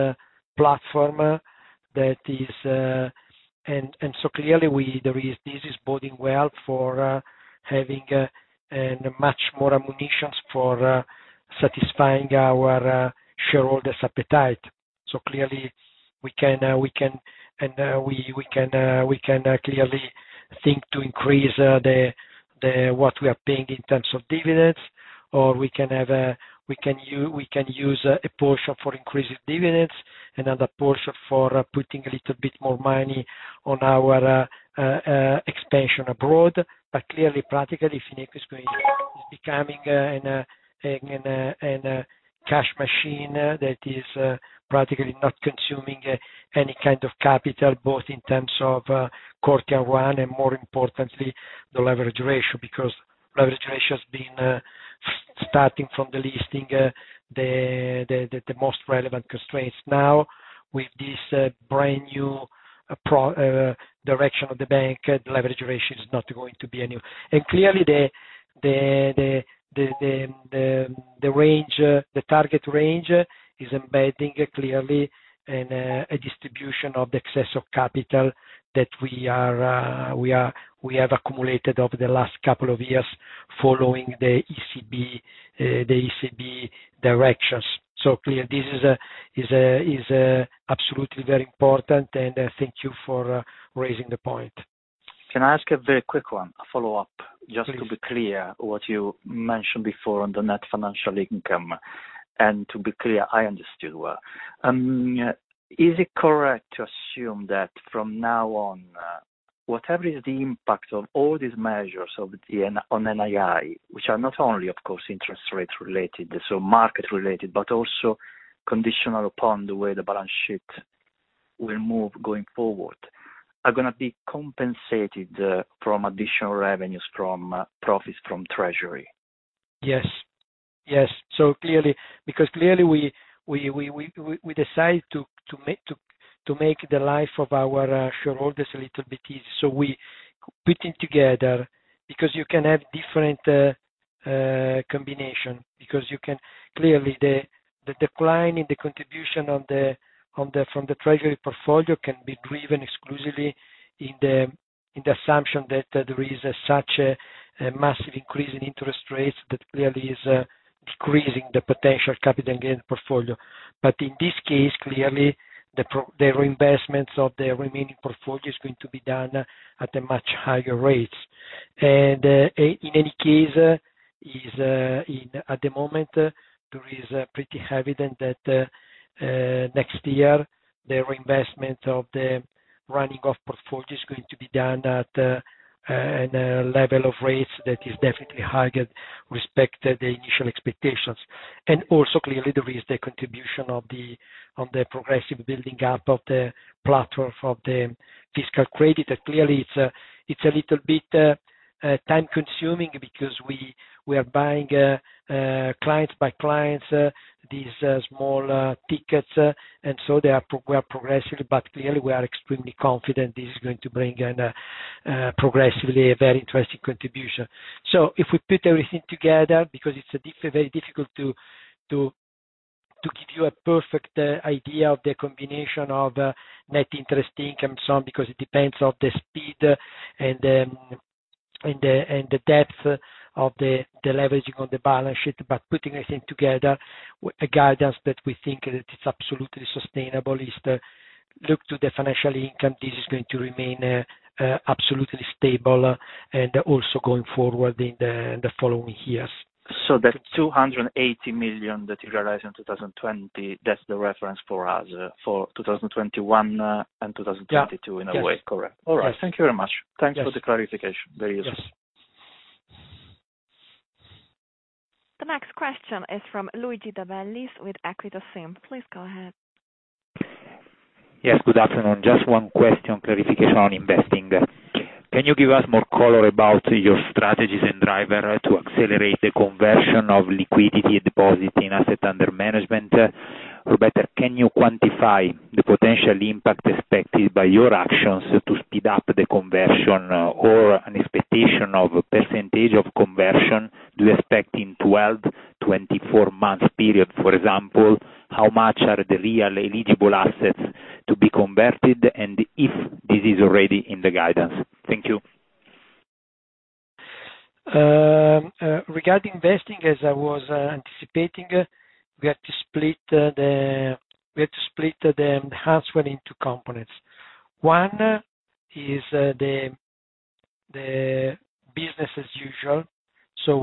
platform. Clearly this is boding well for having much more ammunitions for satisfying our shareholders' appetite. Clearly, we can clearly think to increase what we are paying in terms of dividends. We can use a portion for increasing dividends, another portion for putting a little bit more money on our expansion abroad. Clearly, practically, Fineco is becoming a cash machine that is practically not consuming any kind of capital, both in terms of core Tier 1, and more importantly, the leverage ratio. Leverage ratio has been, starting from the listing, the most relevant constraints. Now with this brand new direction of the bank, the leverage ratio is not going to be a new. Clearly the target range is embedding clearly a distribution of the excess of capital that we have accumulated over the last couple of years following the ECB directions. Clearly, this is absolutely very important, and thank you for raising the point. Can I ask a very quick one, a follow-up? Please. Just to be clear, what you mentioned before on the net financial income. To be clear, I understood well. Is it correct to assume that from now on, whatever is the impact of all these measures on NII, which are not only, of course, interest rate related, so market related, but also conditional upon the way the balance sheet will move going forward, are going to be compensated from additional revenues from profits from Treasury? Yes. Because clearly we decide to make the life of our shareholders a little bit easy. We putting together, because you can have different combination, because clearly the decline in the contribution from the treasury portfolio can be driven exclusively in the assumption that there is such a massive increase in interest rates that clearly is decreasing the potential capital gain portfolio. In this case, clearly, the reinvestments of the remaining portfolio is going to be done at a much higher rates. In any case, at the moment, there is pretty evident that next year, the reinvestment of the running of portfolio is going to be done at a level of rates that is definitely higher with respect to the initial expectations. Also, clearly, there is the contribution of the progressive building up of the platform of the fiscal credit. Clearly, it's a little bit time-consuming because we are buying clients by clients, these small tickets, and so we are progressing. Clearly, we are extremely confident this is going to bring in, progressively, a very interesting contribution. If we put everything together, because it's very difficult to give you a perfect idea of the combination of net interest income, because it depends on the speed and the depth of the leveraging of the balance sheet. Putting everything together, a guidance that we think that it's absolutely sustainable is look to the financial income. This is going to remain absolutely stable, and also going forward in the following years. That 280 million that you realized in 2020, that's the reference for us for 2021 and 2022. Yeah. in a way. Yes. Correct. All right. Thank you very much. Yes. Thanks for the clarification. Very useful. The next question is from Luigi De Bellis with Equita SIM. Please go ahead. Yes, good afternoon. Just one question, clarification on investing. Can you give us more color about your strategies and driver to accelerate the conversion of liquidity deposits in assets under management? Better, can you quantify the potential impact expected by your actions to speed up the conversion or an expectation of % of conversion do you expect in 12, 24 months period? For example, how much are the real eligible assets to be converted and if this is already in the guidance. Thank you. Regarding investing, as I was anticipating, we had to split the enhancement into components. One is the business as usual.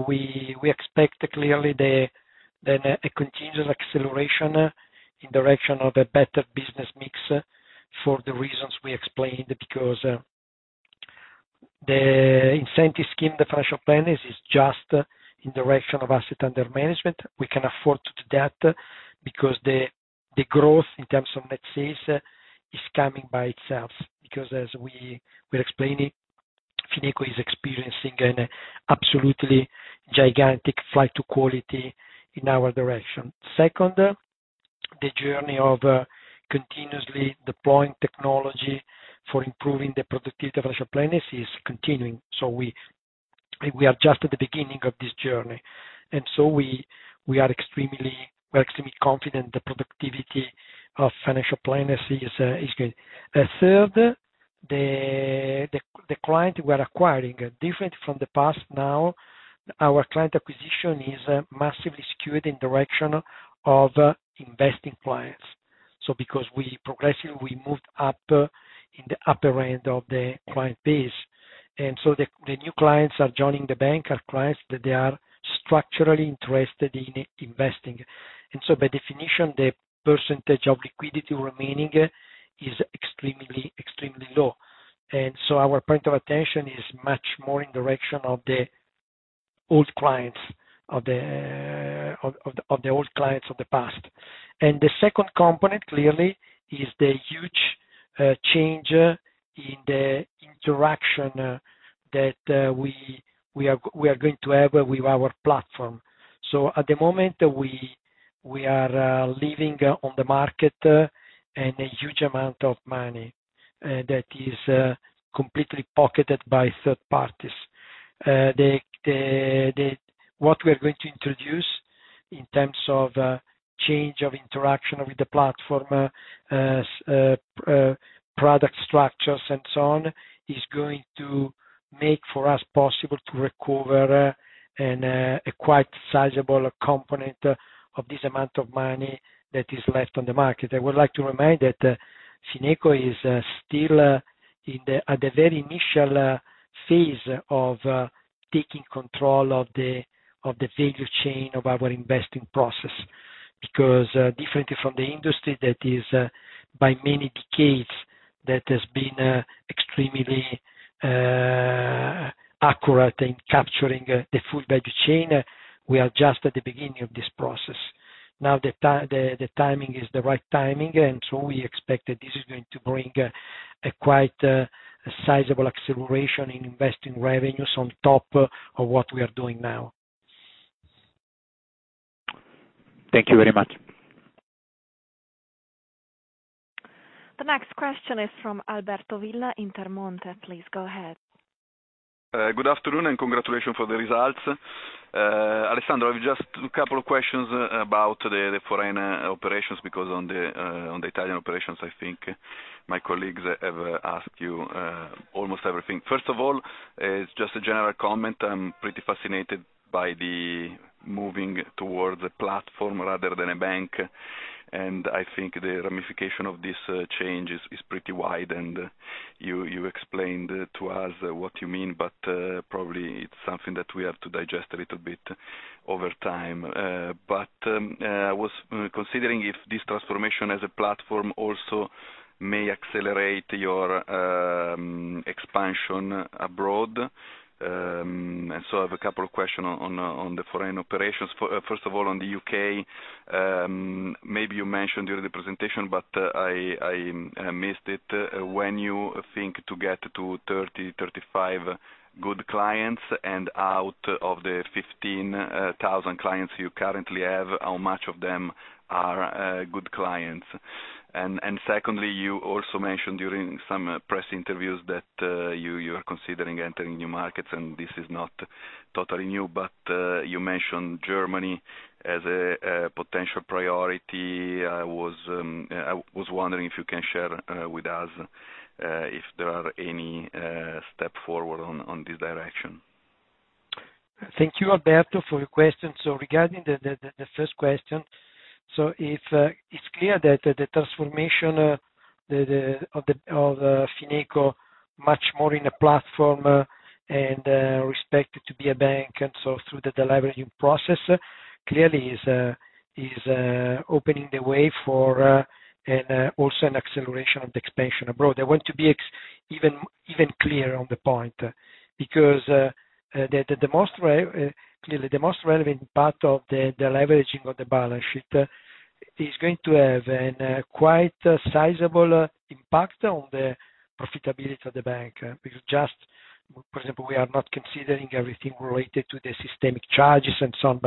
We expect clearly a continual acceleration in direction of a better business mix for the reasons we explained, because the incentive scheme, the financial planners is just in direction of assets under management. We can afford to do that because the growth in terms of net sales is coming by itself. As we're explaining, Fineco is experiencing an absolutely gigantic flight to quality in our direction. Second, the journey of continuously deploying technology for improving the productivity of financial planners is continuing. We are just at the beginning of this journey, we're extremely confident the productivity of financial planners is good. Third, the client we're acquiring, different from the past now, our client acquisition is massively skewed in direction of investing clients. Because we progressively moved up in the upper end of the client base, the new clients are joining the bank are clients that they are structurally interested in investing. By definition, the percentage of liquidity remaining is extremely low. Our point of attention is much more in direction of the old clients of the past. The second component clearly is the huge change in the interaction that we are going to have with our platform. At the moment, we are leaving on the market a huge amount of money that is completely pocketed by third parties. What we are going to introduce in terms of change of interaction with the platform, product structures and so on, is going to make for us possible to recover a quite sizable component of this amount of money that is left on the market. I would like to remind that Fineco is still at the very initial phase of taking control of the value chain of our investing process, because differently from the industry, that is by many decades that has been extremely accurate in capturing the full value chain, we are just at the beginning of this process. The timing is the right timing, we expect that this is going to bring a quite sizable acceleration in investing revenues on top of what we are doing now. Thank you very much. The next question is from Alberto Villa, Intermonte. Please go ahead. Good afternoon, congratulations for the results. Alessandro, I've just a couple of questions about the foreign operations, because on the Italian operations, I think my colleagues have asked you almost everything. First of all, it's just a general comment. I'm pretty fascinated by the moving towards a platform rather than a bank, and I think the ramification of this change is pretty wide. You explained to us what you mean, but probably it's something that we have to digest a little bit over time. I was considering if this transformation as a platform also may accelerate your expansion abroad. I have a couple of questions on the foreign operations. First of all, on the U.K., maybe you mentioned during the presentation, but I missed it. When you think to get to 30,000, 35,000 clients, and out of the 15,000 clients you currently have, how much of them are good clients? Secondly, you also mentioned during some press interviews that you are considering entering new markets, and this is not totally new, but you mentioned Germany as a potential priority. I was wondering if you can share with us if there are any step forward on this direction. Thank you, Alberto, for your question. Regarding the first question, so it's clear that the transformation of Fineco much more in a platform and respected to be a bank. Through the deleveraging process, clearly is opening the way for also an acceleration of the expansion abroad. I want to be even clear on the point. Clearly, the most relevant part of the deleveraging of the balance sheet is going to have an quite sizable impact on the profitability of the bank. Because just, for example, we are not considering everything related to the systemic charges and so on.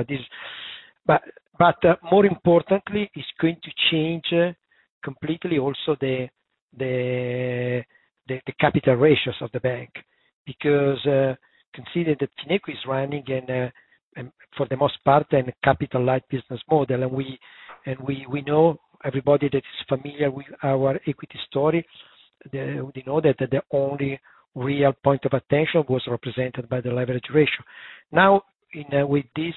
More importantly, it's going to change completely also the capital ratios of the bank. Consider that Fineco is running, and for the most part, in a capital light business model. We know everybody that is familiar with our equity story, they know that the only real point of attention was represented by the leverage ratio. Now, with this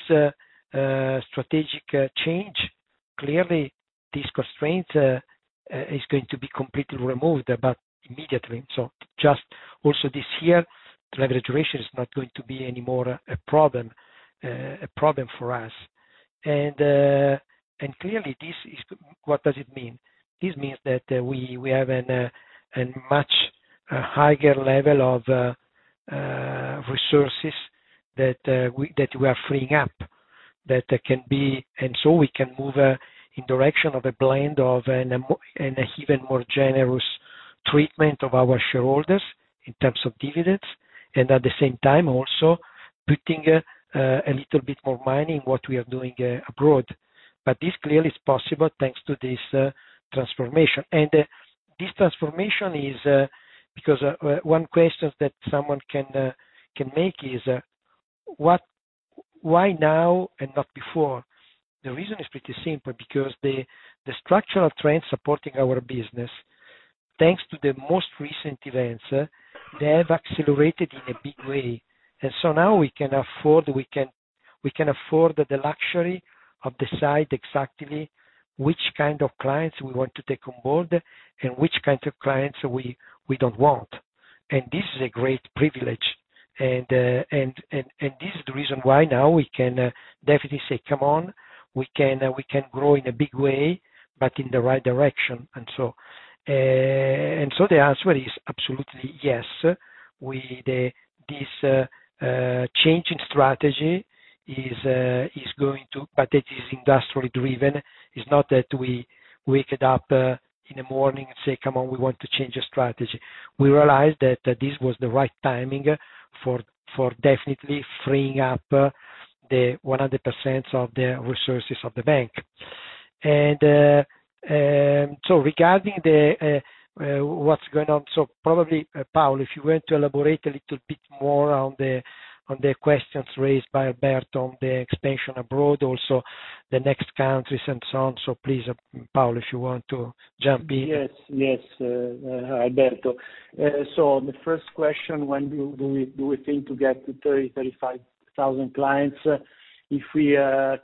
strategic change, clearly this constraint is going to be completely removed, but immediately. Just also this year, leverage ratio is not going to be any more a problem for us. Clearly, what does it mean? This means that we have a much higher level of resources that we are freeing up. We can move in direction of a blend of an even more generous treatment of our shareholders in terms of dividends, and at the same time, also putting a little bit more money in what we are doing abroad. This clearly is possible thanks to this transformation. This transformation is because one question that someone can make is why now and not before? The reason is pretty simple, because the structural trend supporting our business, thanks to the most recent events, they have accelerated in a big way. Now we can afford the luxury of decide exactly which kind of clients we want to take on board and which kind of clients we don't want. This is a great privilege. This is the reason why now we can definitely say, "Come on, we can grow in a big way, but in the right direction." The answer is absolutely yes. This change in strategy is industrially driven. It's not that we waked up in the morning and say, "Come on, we want to change the strategy." We realized that this was the right timing for definitely freeing up the 100% of the resources of the bank. Regarding what's going on, probably, Paolo, if you want to elaborate a little bit more on the questions raised by Alberto on the expansion abroad, also the next countries and so on. Please, Paolo, if you want to jump in. Yes. Hi, Alberto. The first question, when do we think to get to 30,000, 35,000 clients? If we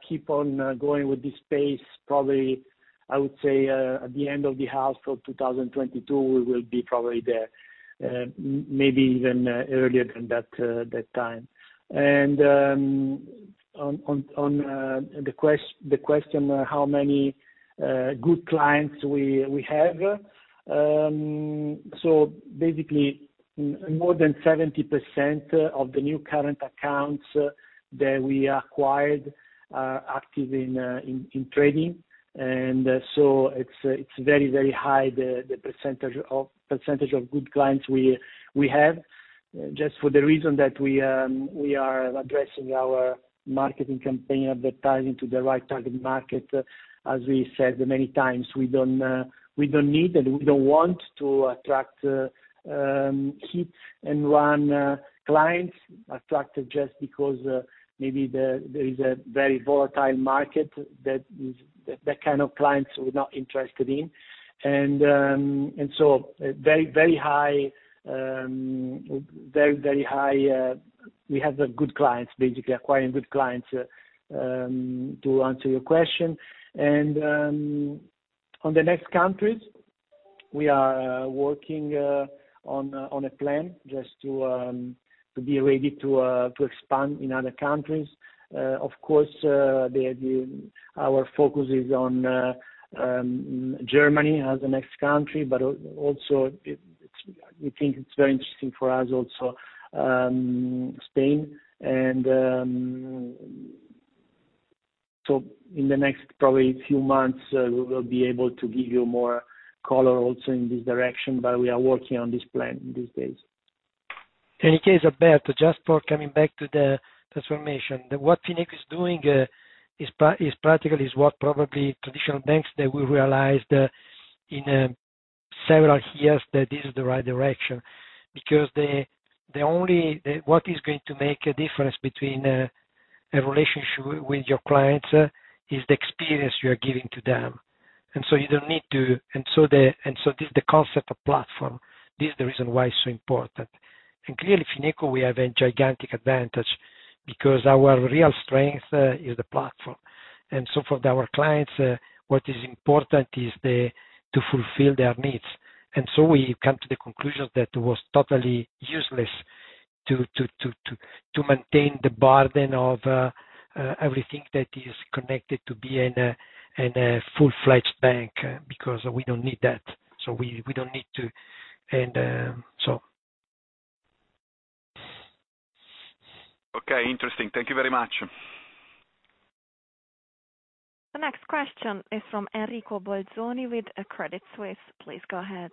keep on going with this pace, probably, I would say, at the end of the half of 2022, we will be probably there, maybe even earlier than that time. On the question, how many good clients we have. Basically, more than 70% of the new current accounts that we acquired are active in trading. It's very high, the percentage of good clients we have, just for the reason that we are addressing our marketing campaign advertising to the right target market. As we said many times, we don't need, and we don't want to attract hit-and-run clients, attracted just because maybe there is a very volatile market. That kind of clients we're not interested in. Very high. We have good clients, basically acquiring good clients, to answer your question. On the next countries, we are working on a plan just to be ready to expand in other countries. Of course, our focus is on Germany as the next country, but also we think it's very interesting for us also, Spain. In the next probably few months, we will be able to give you more color also in this direction, but we are working on this plan these days. In any case, Alberto, just coming back to the transformation. What Fineco is doing is practically what probably traditional banks, they will realize in several years that this is the right direction, because what is going to make a difference between a relationship with your clients is the experience you are giving to them. This is the concept of platform. This is the reason why it's so important. Clearly, Fineco, we have a gigantic advantage because our real strength is the platform. For our clients, what is important is to fulfill their needs. We come to the conclusion that it was totally useless to maintain the burden of everything that is connected to being a full-fledged bank, because we don't need that. Okay, interesting. Thank you very much. The next question is from Enrico Bolzoni with Credit Suisse. Please go ahead.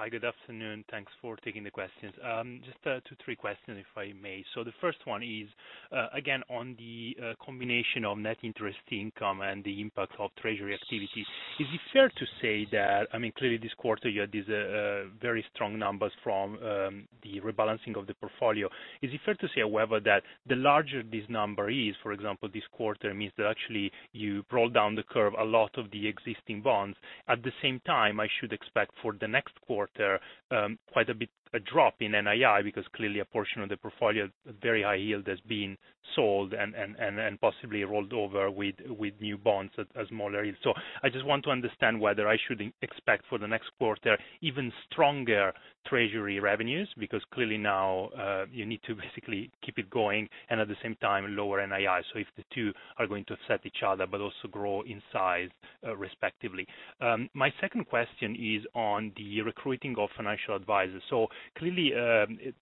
Hi, good afternoon. Thanks for taking the questions. Just two, three questions, if I may. The first one is, again, on the combination of net interest income and the impact of treasury activity. Clearly this quarter, you had these very strong numbers from the rebalancing of the portfolio. Is it fair to say, however, that the larger this number is, for example, this quarter, means that actually you rolled down the curve a lot of the existing bonds. At the same time, I should expect for the next quarter, quite a bit a drop in NII, because clearly a portion of the portfolio, very high yield, has been sold and possibly rolled over with new bonds at smaller yield. I just want to understand whether I should expect for the next quarter, even stronger treasury revenues, because clearly now, you need to basically keep it going and at the same time, lower NII. If the two are going to offset each other but also grow in size, respectively. My second question is on the recruiting of financial advisors. Clearly,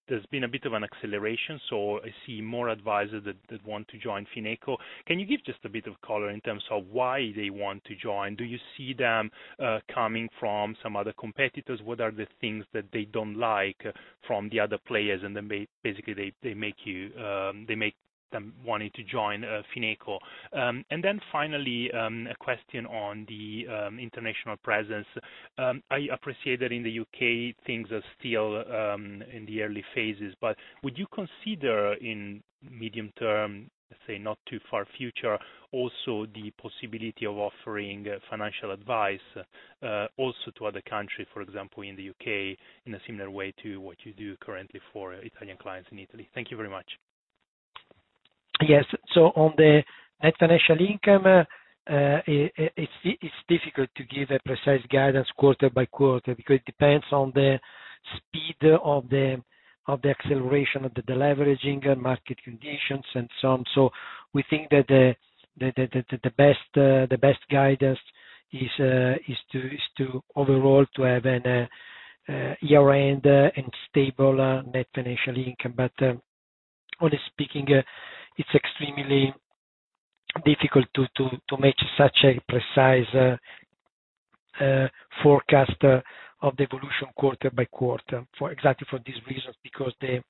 there's been a bit of an acceleration, so I see more advisors that want to join Fineco. Can you give just a bit of color in terms of why they want to join? Do you see them coming from some other competitors? What are the things that they don't like from the other players, and then basically they make them wanting to join Fineco. Finally, a question on the international presence. I appreciate that in the U.K., things are still in the early phases, but would you consider in medium term, let's say not too far future, also the possibility of offering financial advice, also to other country, for example, in the U.K., in a similar way to what you do currently for Italian clients in Italy. Thank you very much. Yes. On the net financial income, it's difficult to give a precise guidance quarter by quarter because it depends on the speed of the acceleration of the deleveraging and market conditions and so on. We think that the best guidance is to overall to have a year-end and stable net financial income. Honestly speaking, it's extremely difficult to make such a precise forecast of the evolution quarter by quarter, exactly for these reasons, because the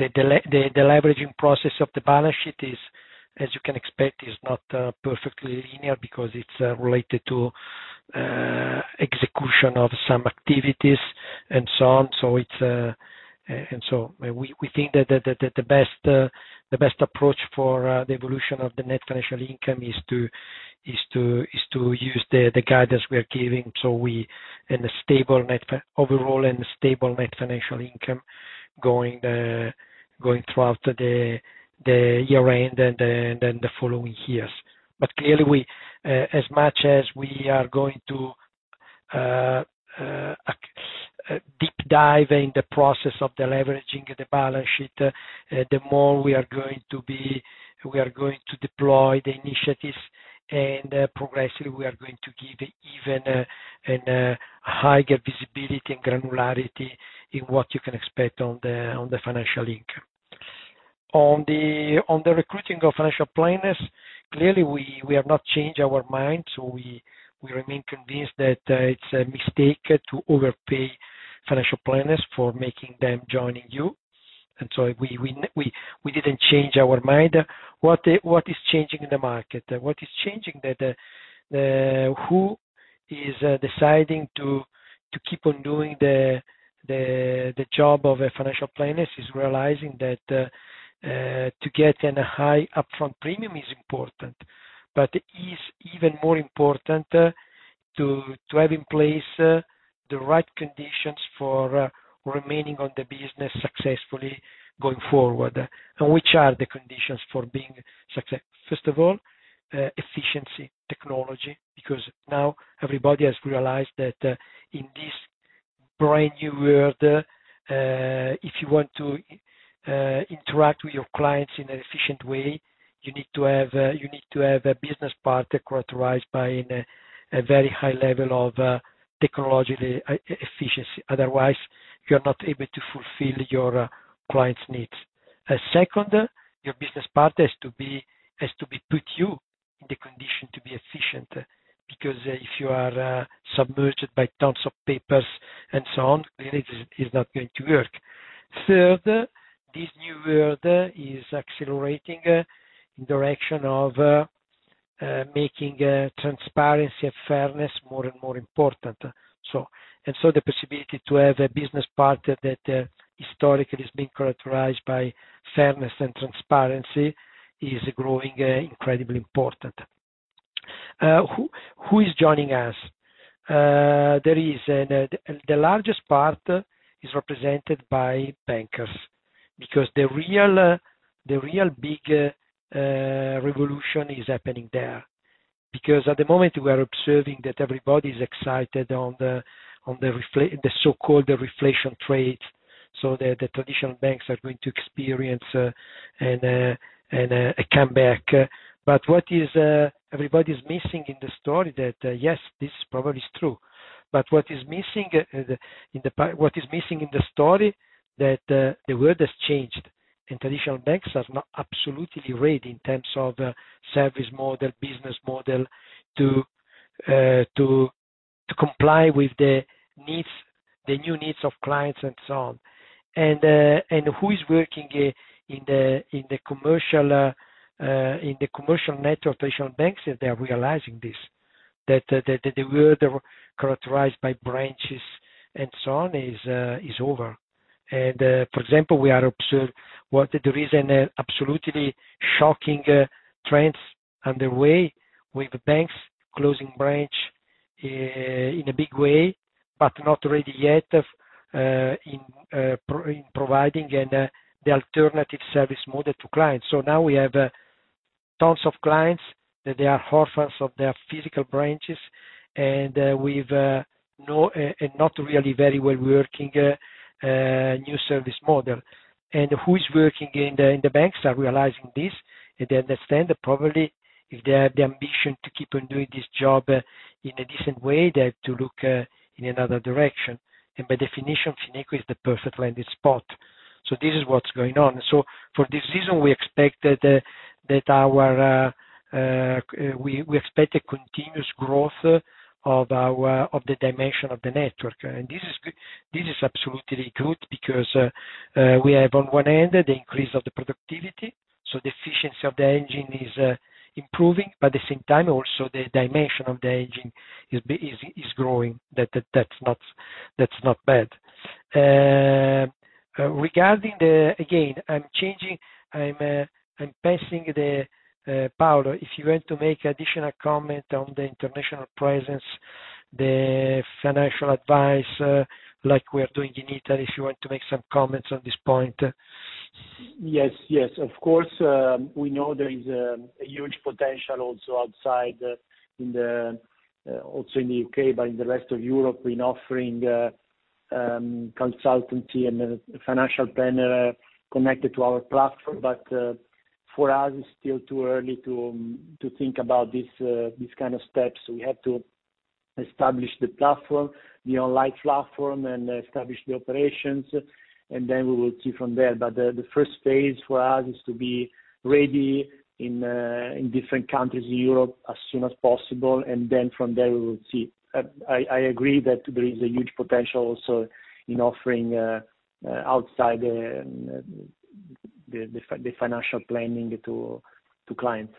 deleveraging process of the balance sheet is, as you can expect, is not perfectly linear because it's related to execution of some activities, and so on. We think that the best approach for the evolution of the net financial income is to use the guidance we are giving. Overall a stable net financial income going throughout the year-end and the following years. Clearly, as much as we are going to deep dive in the process of deleveraging the balance sheet, the more we are going to deploy the initiatives, and progressively, we are going to give even a higher visibility and granularity in what you can expect on the financial income. On the recruiting of financial planners, clearly, we have not changed our minds. We remain convinced that it's a mistake to overpay financial planners for making them joining you. We didn't change our mind. What is changing in the market? Who is deciding to keep on doing the job of a financial planner is realizing that to get a high upfront premium is important, but is even more important to have in place the right conditions for remaining on the business successfully going forward. Which are the conditions for being success? First of all, efficiency, technology, because now everybody has realized that in this brand new world, if you want to interact with your clients in an efficient way, you need to have a business partner characterized by a very high level of technology efficiency. Otherwise, you are not able to fulfill your client's needs. Second, your business partner has to put you in the condition to be efficient. Because if you are submerged by tons of papers and so on, clearly it is not going to work. Third, this new world is accelerating in direction of making transparency and fairness more and more important. The possibility to have a business partner that historically has been characterized by fairness and transparency is growing incredibly important. Who is joining us? The largest part is represented by bankers, because the real big revolution is happening there. At the moment, we are observing that everybody's excited on the so-called reflation trade, the traditional banks are going to experience a comeback. What everybody's missing in the story is that, yes, this probably is true, but what is missing in the story is that the world has changed, and traditional banks are not absolutely ready in terms of service model, business model to comply with the new needs of clients and so on. Who is working in the commercial network of traditional banks, they are realizing this, that the world characterized by branches and so on is over. For example, we are observing there is an absolutely shocking trends underway with banks closing branch in a big way, but not ready yet in providing the alternative service model to clients. Now we have tons of clients that they are orphans of their physical branches, and not really very well-working new service model. Who is working in the banks are realizing this, and they understand that probably if they have the ambition to keep on doing this job in a different way, they have to look in another direction. By definition, Fineco is the perfect landing spot. This is what's going on. For this reason, we expect a continuous growth of the dimension of the network. This is absolutely good because we have, on one end, the increase of the productivity, so the efficiency of the engine is improving, but at the same time, also the dimension of the engine is growing. That's not bad. Again, I'm passing the power. If you want to make additional comment on the international presence, the financial advice like we are doing in Italy, if you want to make some comments on this point. Yes. Of course, we know there is a huge potential also outside in the U.K., in the rest of Europe, in offering consultancy and financial planner connected to our platform. For us, it's still too early to think about these kind of steps. We have to establish the platform, the online platform, and establish the operations, and then we will see from there. The first phase for us is to be ready in different countries in Europe as soon as possible, and then from there we will see. I agree that there is a huge potential also in offering outside the financial planning to clients.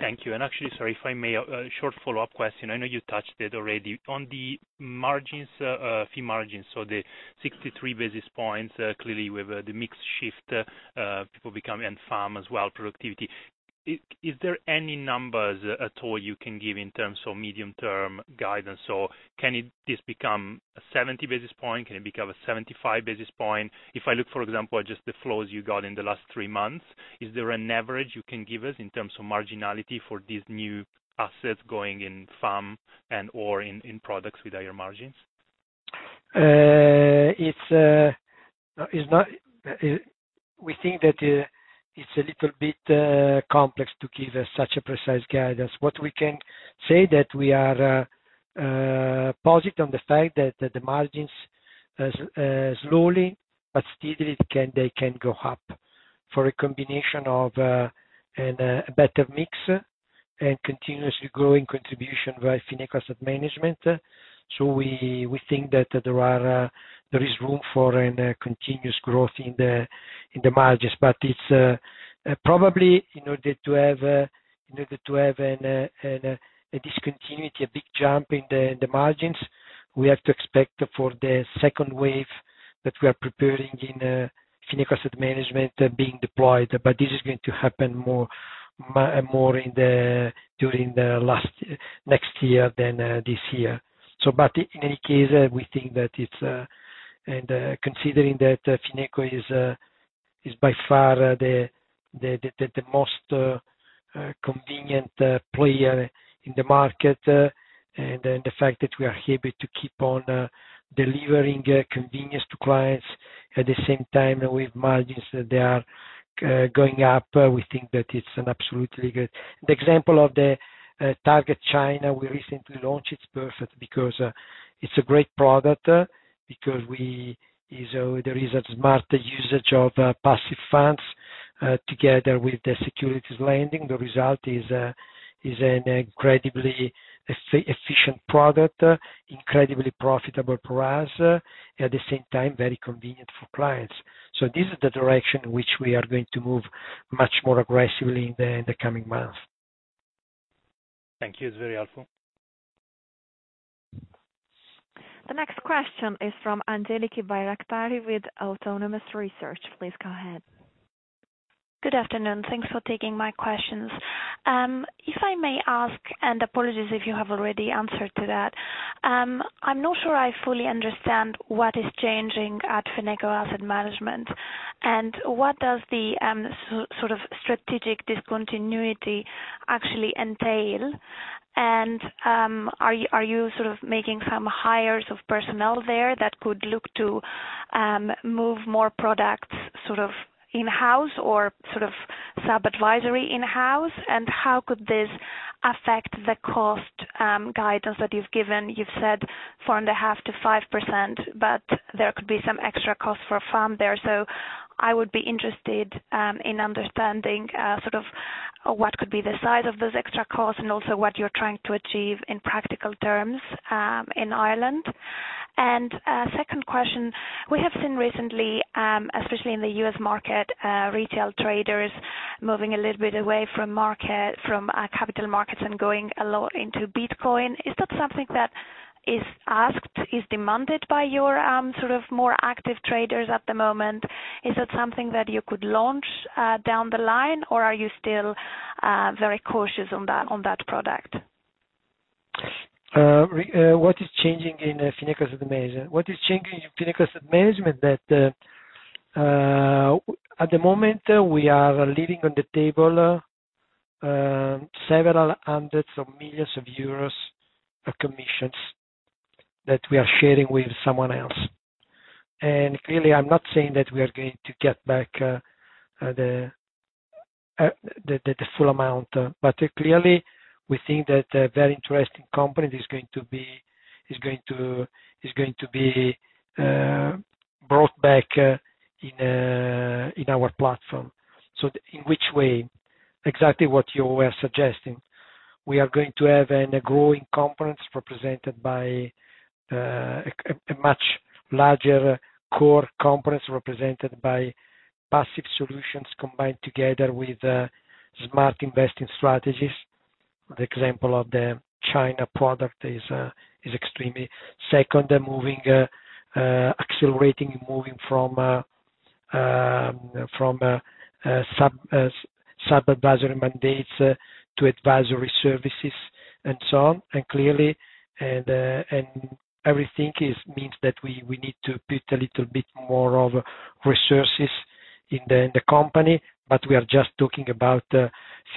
Thank you. Actually, sorry, if I may, a short follow-up question. I know you touched it already. On the fee margins, so the 63 basis points, clearly with the mix shift, [inaudible] and FAM as well, productivity. Is there any numbers at all you can give in terms of medium-term guidance? Can this become a 70 basis point? Can it become a 75 basis point? If I look, for example, at just the flows you got in the last three months, is there an average you can give us in terms of marginality for these new assets going in FAM and or in products with higher margins? We think that it's a little bit complex to give such a precise guidance. What we can say that we are positive on the fact that the margins slowly but steadily, they can go up for a combination of a better mix and continuously growing contribution by Fineco Asset Management. We think that there is room for a continuous growth in the margins. Probably, in order to have a discontinuity, a big jump in the margins, we have to expect for the second wave that we are preparing in Fineco Asset Management being deployed. This is going to happen more during the next year than this year. In any case, we think that considering that Fineco is by far the most convenient player in the market, and the fact that we are able to keep on delivering convenience to clients, at the same time, with margins that are going up. The example of the Target China we recently launched, it's perfect because it's a great product, because there is a smart usage of passive funds. Together with the securities lending, the result is an incredibly efficient product, incredibly profitable for us, at the same time, very convenient for clients. This is the direction which we are going to move much more aggressively in the coming months. Thank you. It's very helpful. The next question is from Angeliki Bairaktari with Autonomous Research. Please go ahead. Good afternoon. Thanks for taking my questions. If I may ask. Apologies if you have already answered to that. I'm not sure I fully understand what is changing at Fineco Asset Management. What does the strategic discontinuity actually entail? Are you making some hires of personnel there that could look to move more products in-house or sub-advisory in-house? How could this affect the cost guidance that you've given? You've said 4.5%-5%, but there could be some extra costs for a firm there. I would be interested in understanding what could be the size of those extra costs and also what you're trying to achieve in practical terms in Ireland. Second question, we have seen recently, especially in the U.S. market, retail traders moving a little bit away from capital markets and going a lot into Bitcoin. Is that something that is asked, is demanded by your more active traders at the moment? Is that something that you could launch down the line or are you still very cautious on that product? What is changing in Fineco Asset Management? What is changing in Fineco Asset Management that at the moment we are leaving on the table several hundreds of millions of EUR of commissions that we are sharing with someone else. Clearly, I'm not saying that we are going to get back the full amount, but clearly we think that a very interesting company is going to be brought back in our platform. In which way? Exactly what you were suggesting. We are going to have a growing conference represented by a much larger core conference represented by passive solutions combined together with smart investing strategies. The example of the Target China product is extremely. Second, accelerating moving from sub-advisory mandates to advisory services and so on. Everything means that we need to put a little bit more of resources in the company, but we are just talking about a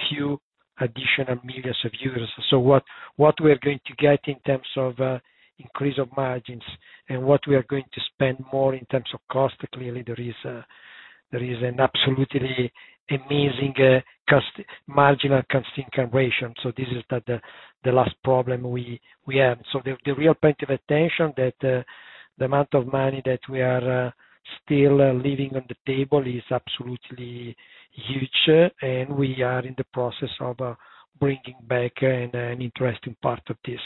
few additional millions of EUR. What we are going to get in terms of increase of margins and what we are going to spend more in terms of cost, clearly there is an absolutely amazing. [inaudible] This is not the last problem we have. The real point of attention that the amount of money that we are still leaving on the table is absolutely huge, and we are in the process of bringing back an interesting part of this.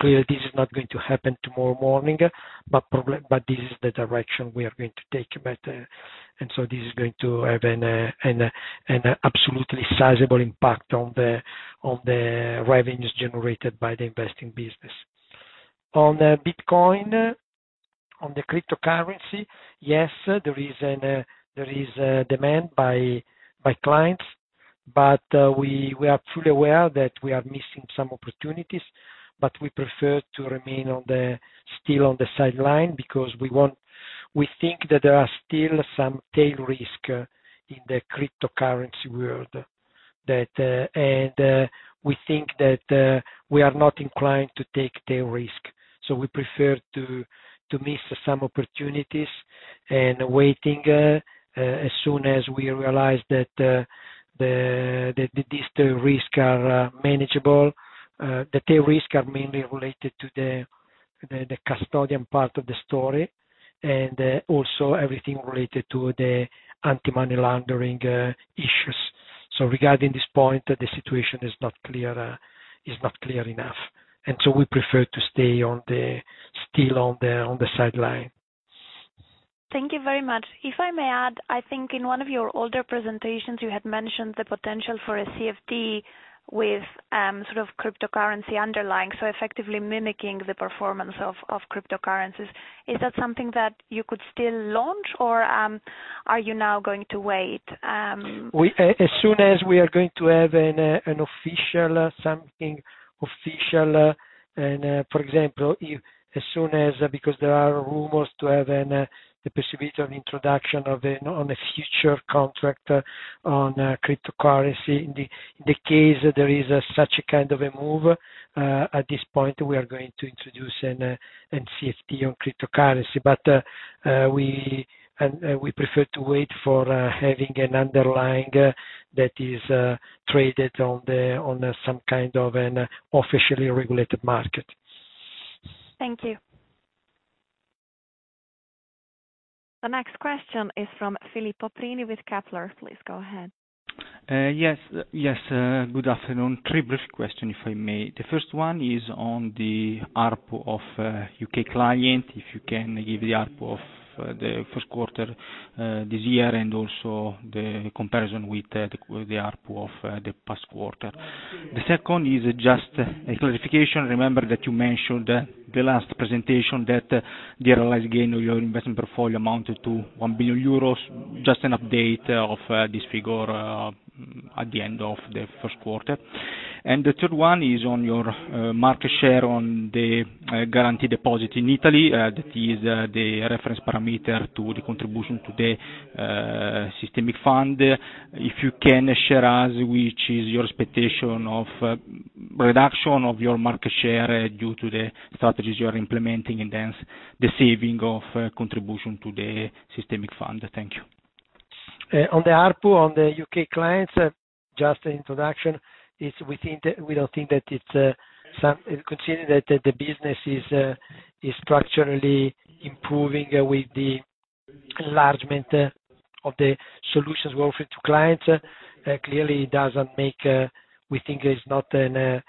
Clearly, this is not going to happen tomorrow morning, but this is the direction we are going to take. This is going to have an absolutely sizable impact on the revenues generated by the investing business. On Bitcoin, on the cryptocurrency, yes, there is demand by clients, but we are fully aware that we are missing some opportunities, but we prefer to remain still on the sideline because we think that there are still some tail risk in the cryptocurrency world. We think that we are not inclined to take tail risk. We prefer to miss some opportunities and waiting, as soon as we realize that these tail risks are manageable. The tail risks are mainly related to the custodian part of the story, and also everything related to the anti-money laundering issues. Regarding this point, the situation is not clear enough, and so we prefer to stay still on the sideline. Thank you very much. If I may add, I think in one of your older presentations, you had mentioned the potential for a CFD with cryptocurrency underlying, so effectively mimicking the performance of cryptocurrencies. Is that something that you could still launch or are you now going to wait? As soon as we are going to have something official, for example, because there are rumors to have the possibility of introduction on a future contract on cryptocurrency. In the case there is such a kind of a move, at this point, we are going to introduce a CFD on cryptocurrency. We prefer to wait for having an underlying that is traded on some kind of an officially regulated market. Thank you. The next question is from Filippo Prini with Kepler. Please go ahead. Yes. Good afternoon. Three brief questions, if I may. The first one is on the ARPU of U.K. client, if you can give the ARPU of the first quarter this year and also the comparison with the ARPU of the past quarter. The second is just a clarification. I remember that you mentioned the last presentation that the realized gain of your investment portfolio amounted to 1 billion euros. Just an update of this figure at the end of the first quarter. The third one is on your market share on the guaranteed deposit in Italy, that is the reference parameter to the contribution to the Single Resolution Fund. If you can share us which is your expectation of reduction of your market share due to the strategies you are implementing, and hence the saving of contribution to the Single Resolution Fund. Thank you. On the ARPU, on the U.K. clients, just introduction, we don't think that it's Considering that the business is structurally improving with the enlargement of the solutions we offer to clients. Clearly, we think it's not the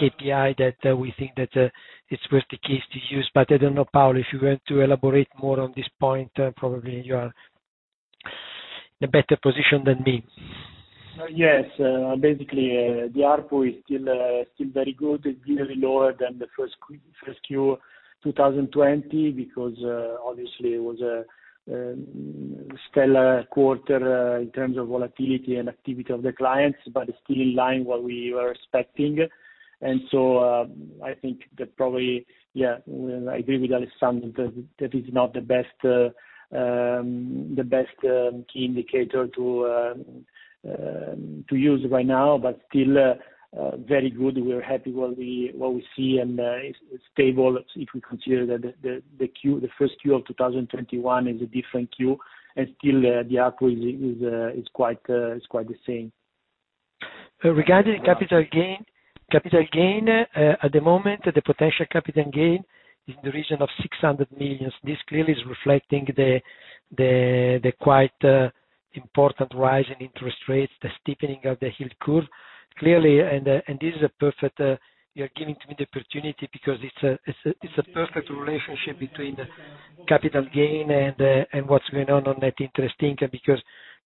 KPI that we think that it's worth the case to use. I don't know, Paolo, if you want to elaborate more on this point, probably you are in a better position than me. Yes. Basically, the ARPU is still very good. It's clearly lower than the first Q 2020 because obviously, it was a stellar quarter in terms of volatility and activity of the clients, but still in line what we were expecting. I think that probably, yeah, I agree with Alessandro that is not the best key indicator to use right now, but still very good. We're happy what we see, and it's stable if we consider that the first Q of 2021 is a different Q, and still the ARPU is quite the same. Regarding capital gain. At the moment, the potential capital gain is in the region of 600 million. This clearly is reflecting the quite important rise in interest rates, the steepening of the yield curve. You're giving me the opportunity because it's a perfect relationship between capital gain and what's going on on net interest income, because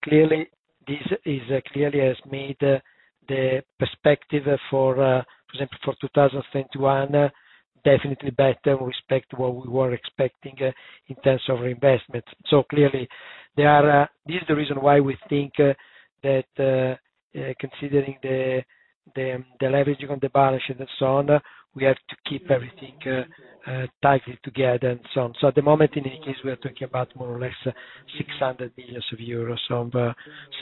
clearly this has made the perspective, for example, for 2021, definitely better with respect to what we were expecting in terms of reinvestment. Clearly, this is the reason why we think that considering the leveraging on the balance sheet and so on, we have to keep everything tightly together and so on. At the moment, in any case, we are talking about more or less 600 million euros of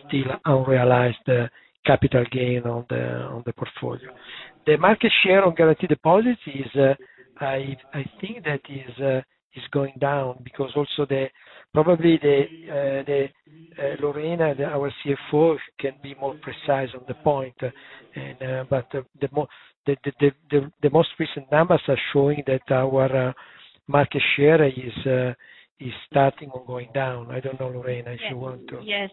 still unrealized capital gain on the portfolio. The market share on guaranteed deposits, I think that is going down. Probably Lorena, our CFO, can be more precise on the point. The most recent numbers are showing that our market share is starting on going down. I don't know, Lorena, if you want to Yes.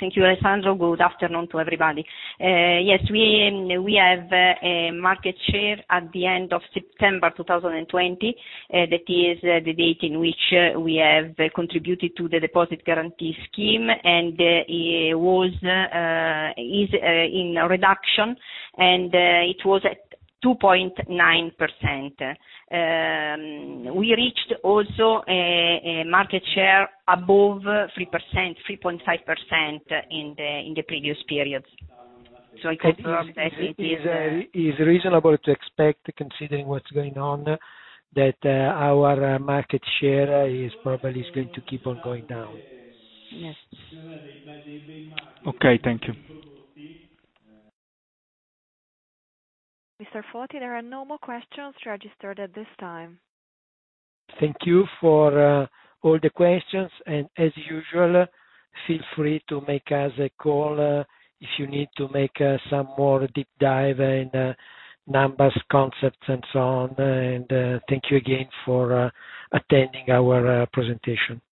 Thank you, Alessandro. Good afternoon to everybody. Yes, we have a market share at the end of September 2020. That is the date in which we have contributed to the deposit guarantee scheme, and is in reduction, and it was at 2.9%. We reached also a market share above 3.5% in the previous periods. I confirm that it is It's reasonable to expect, considering what's going on, that our market share probably is going to keep on going down. Yes. Okay. Thank you. Mr. Foti, there are no more questions registered at this time. Thank you for all the questions. As usual, feel free to make us a call if you need to make some more deep dive in numbers, concepts, and so on. Thank you again for attending our presentation.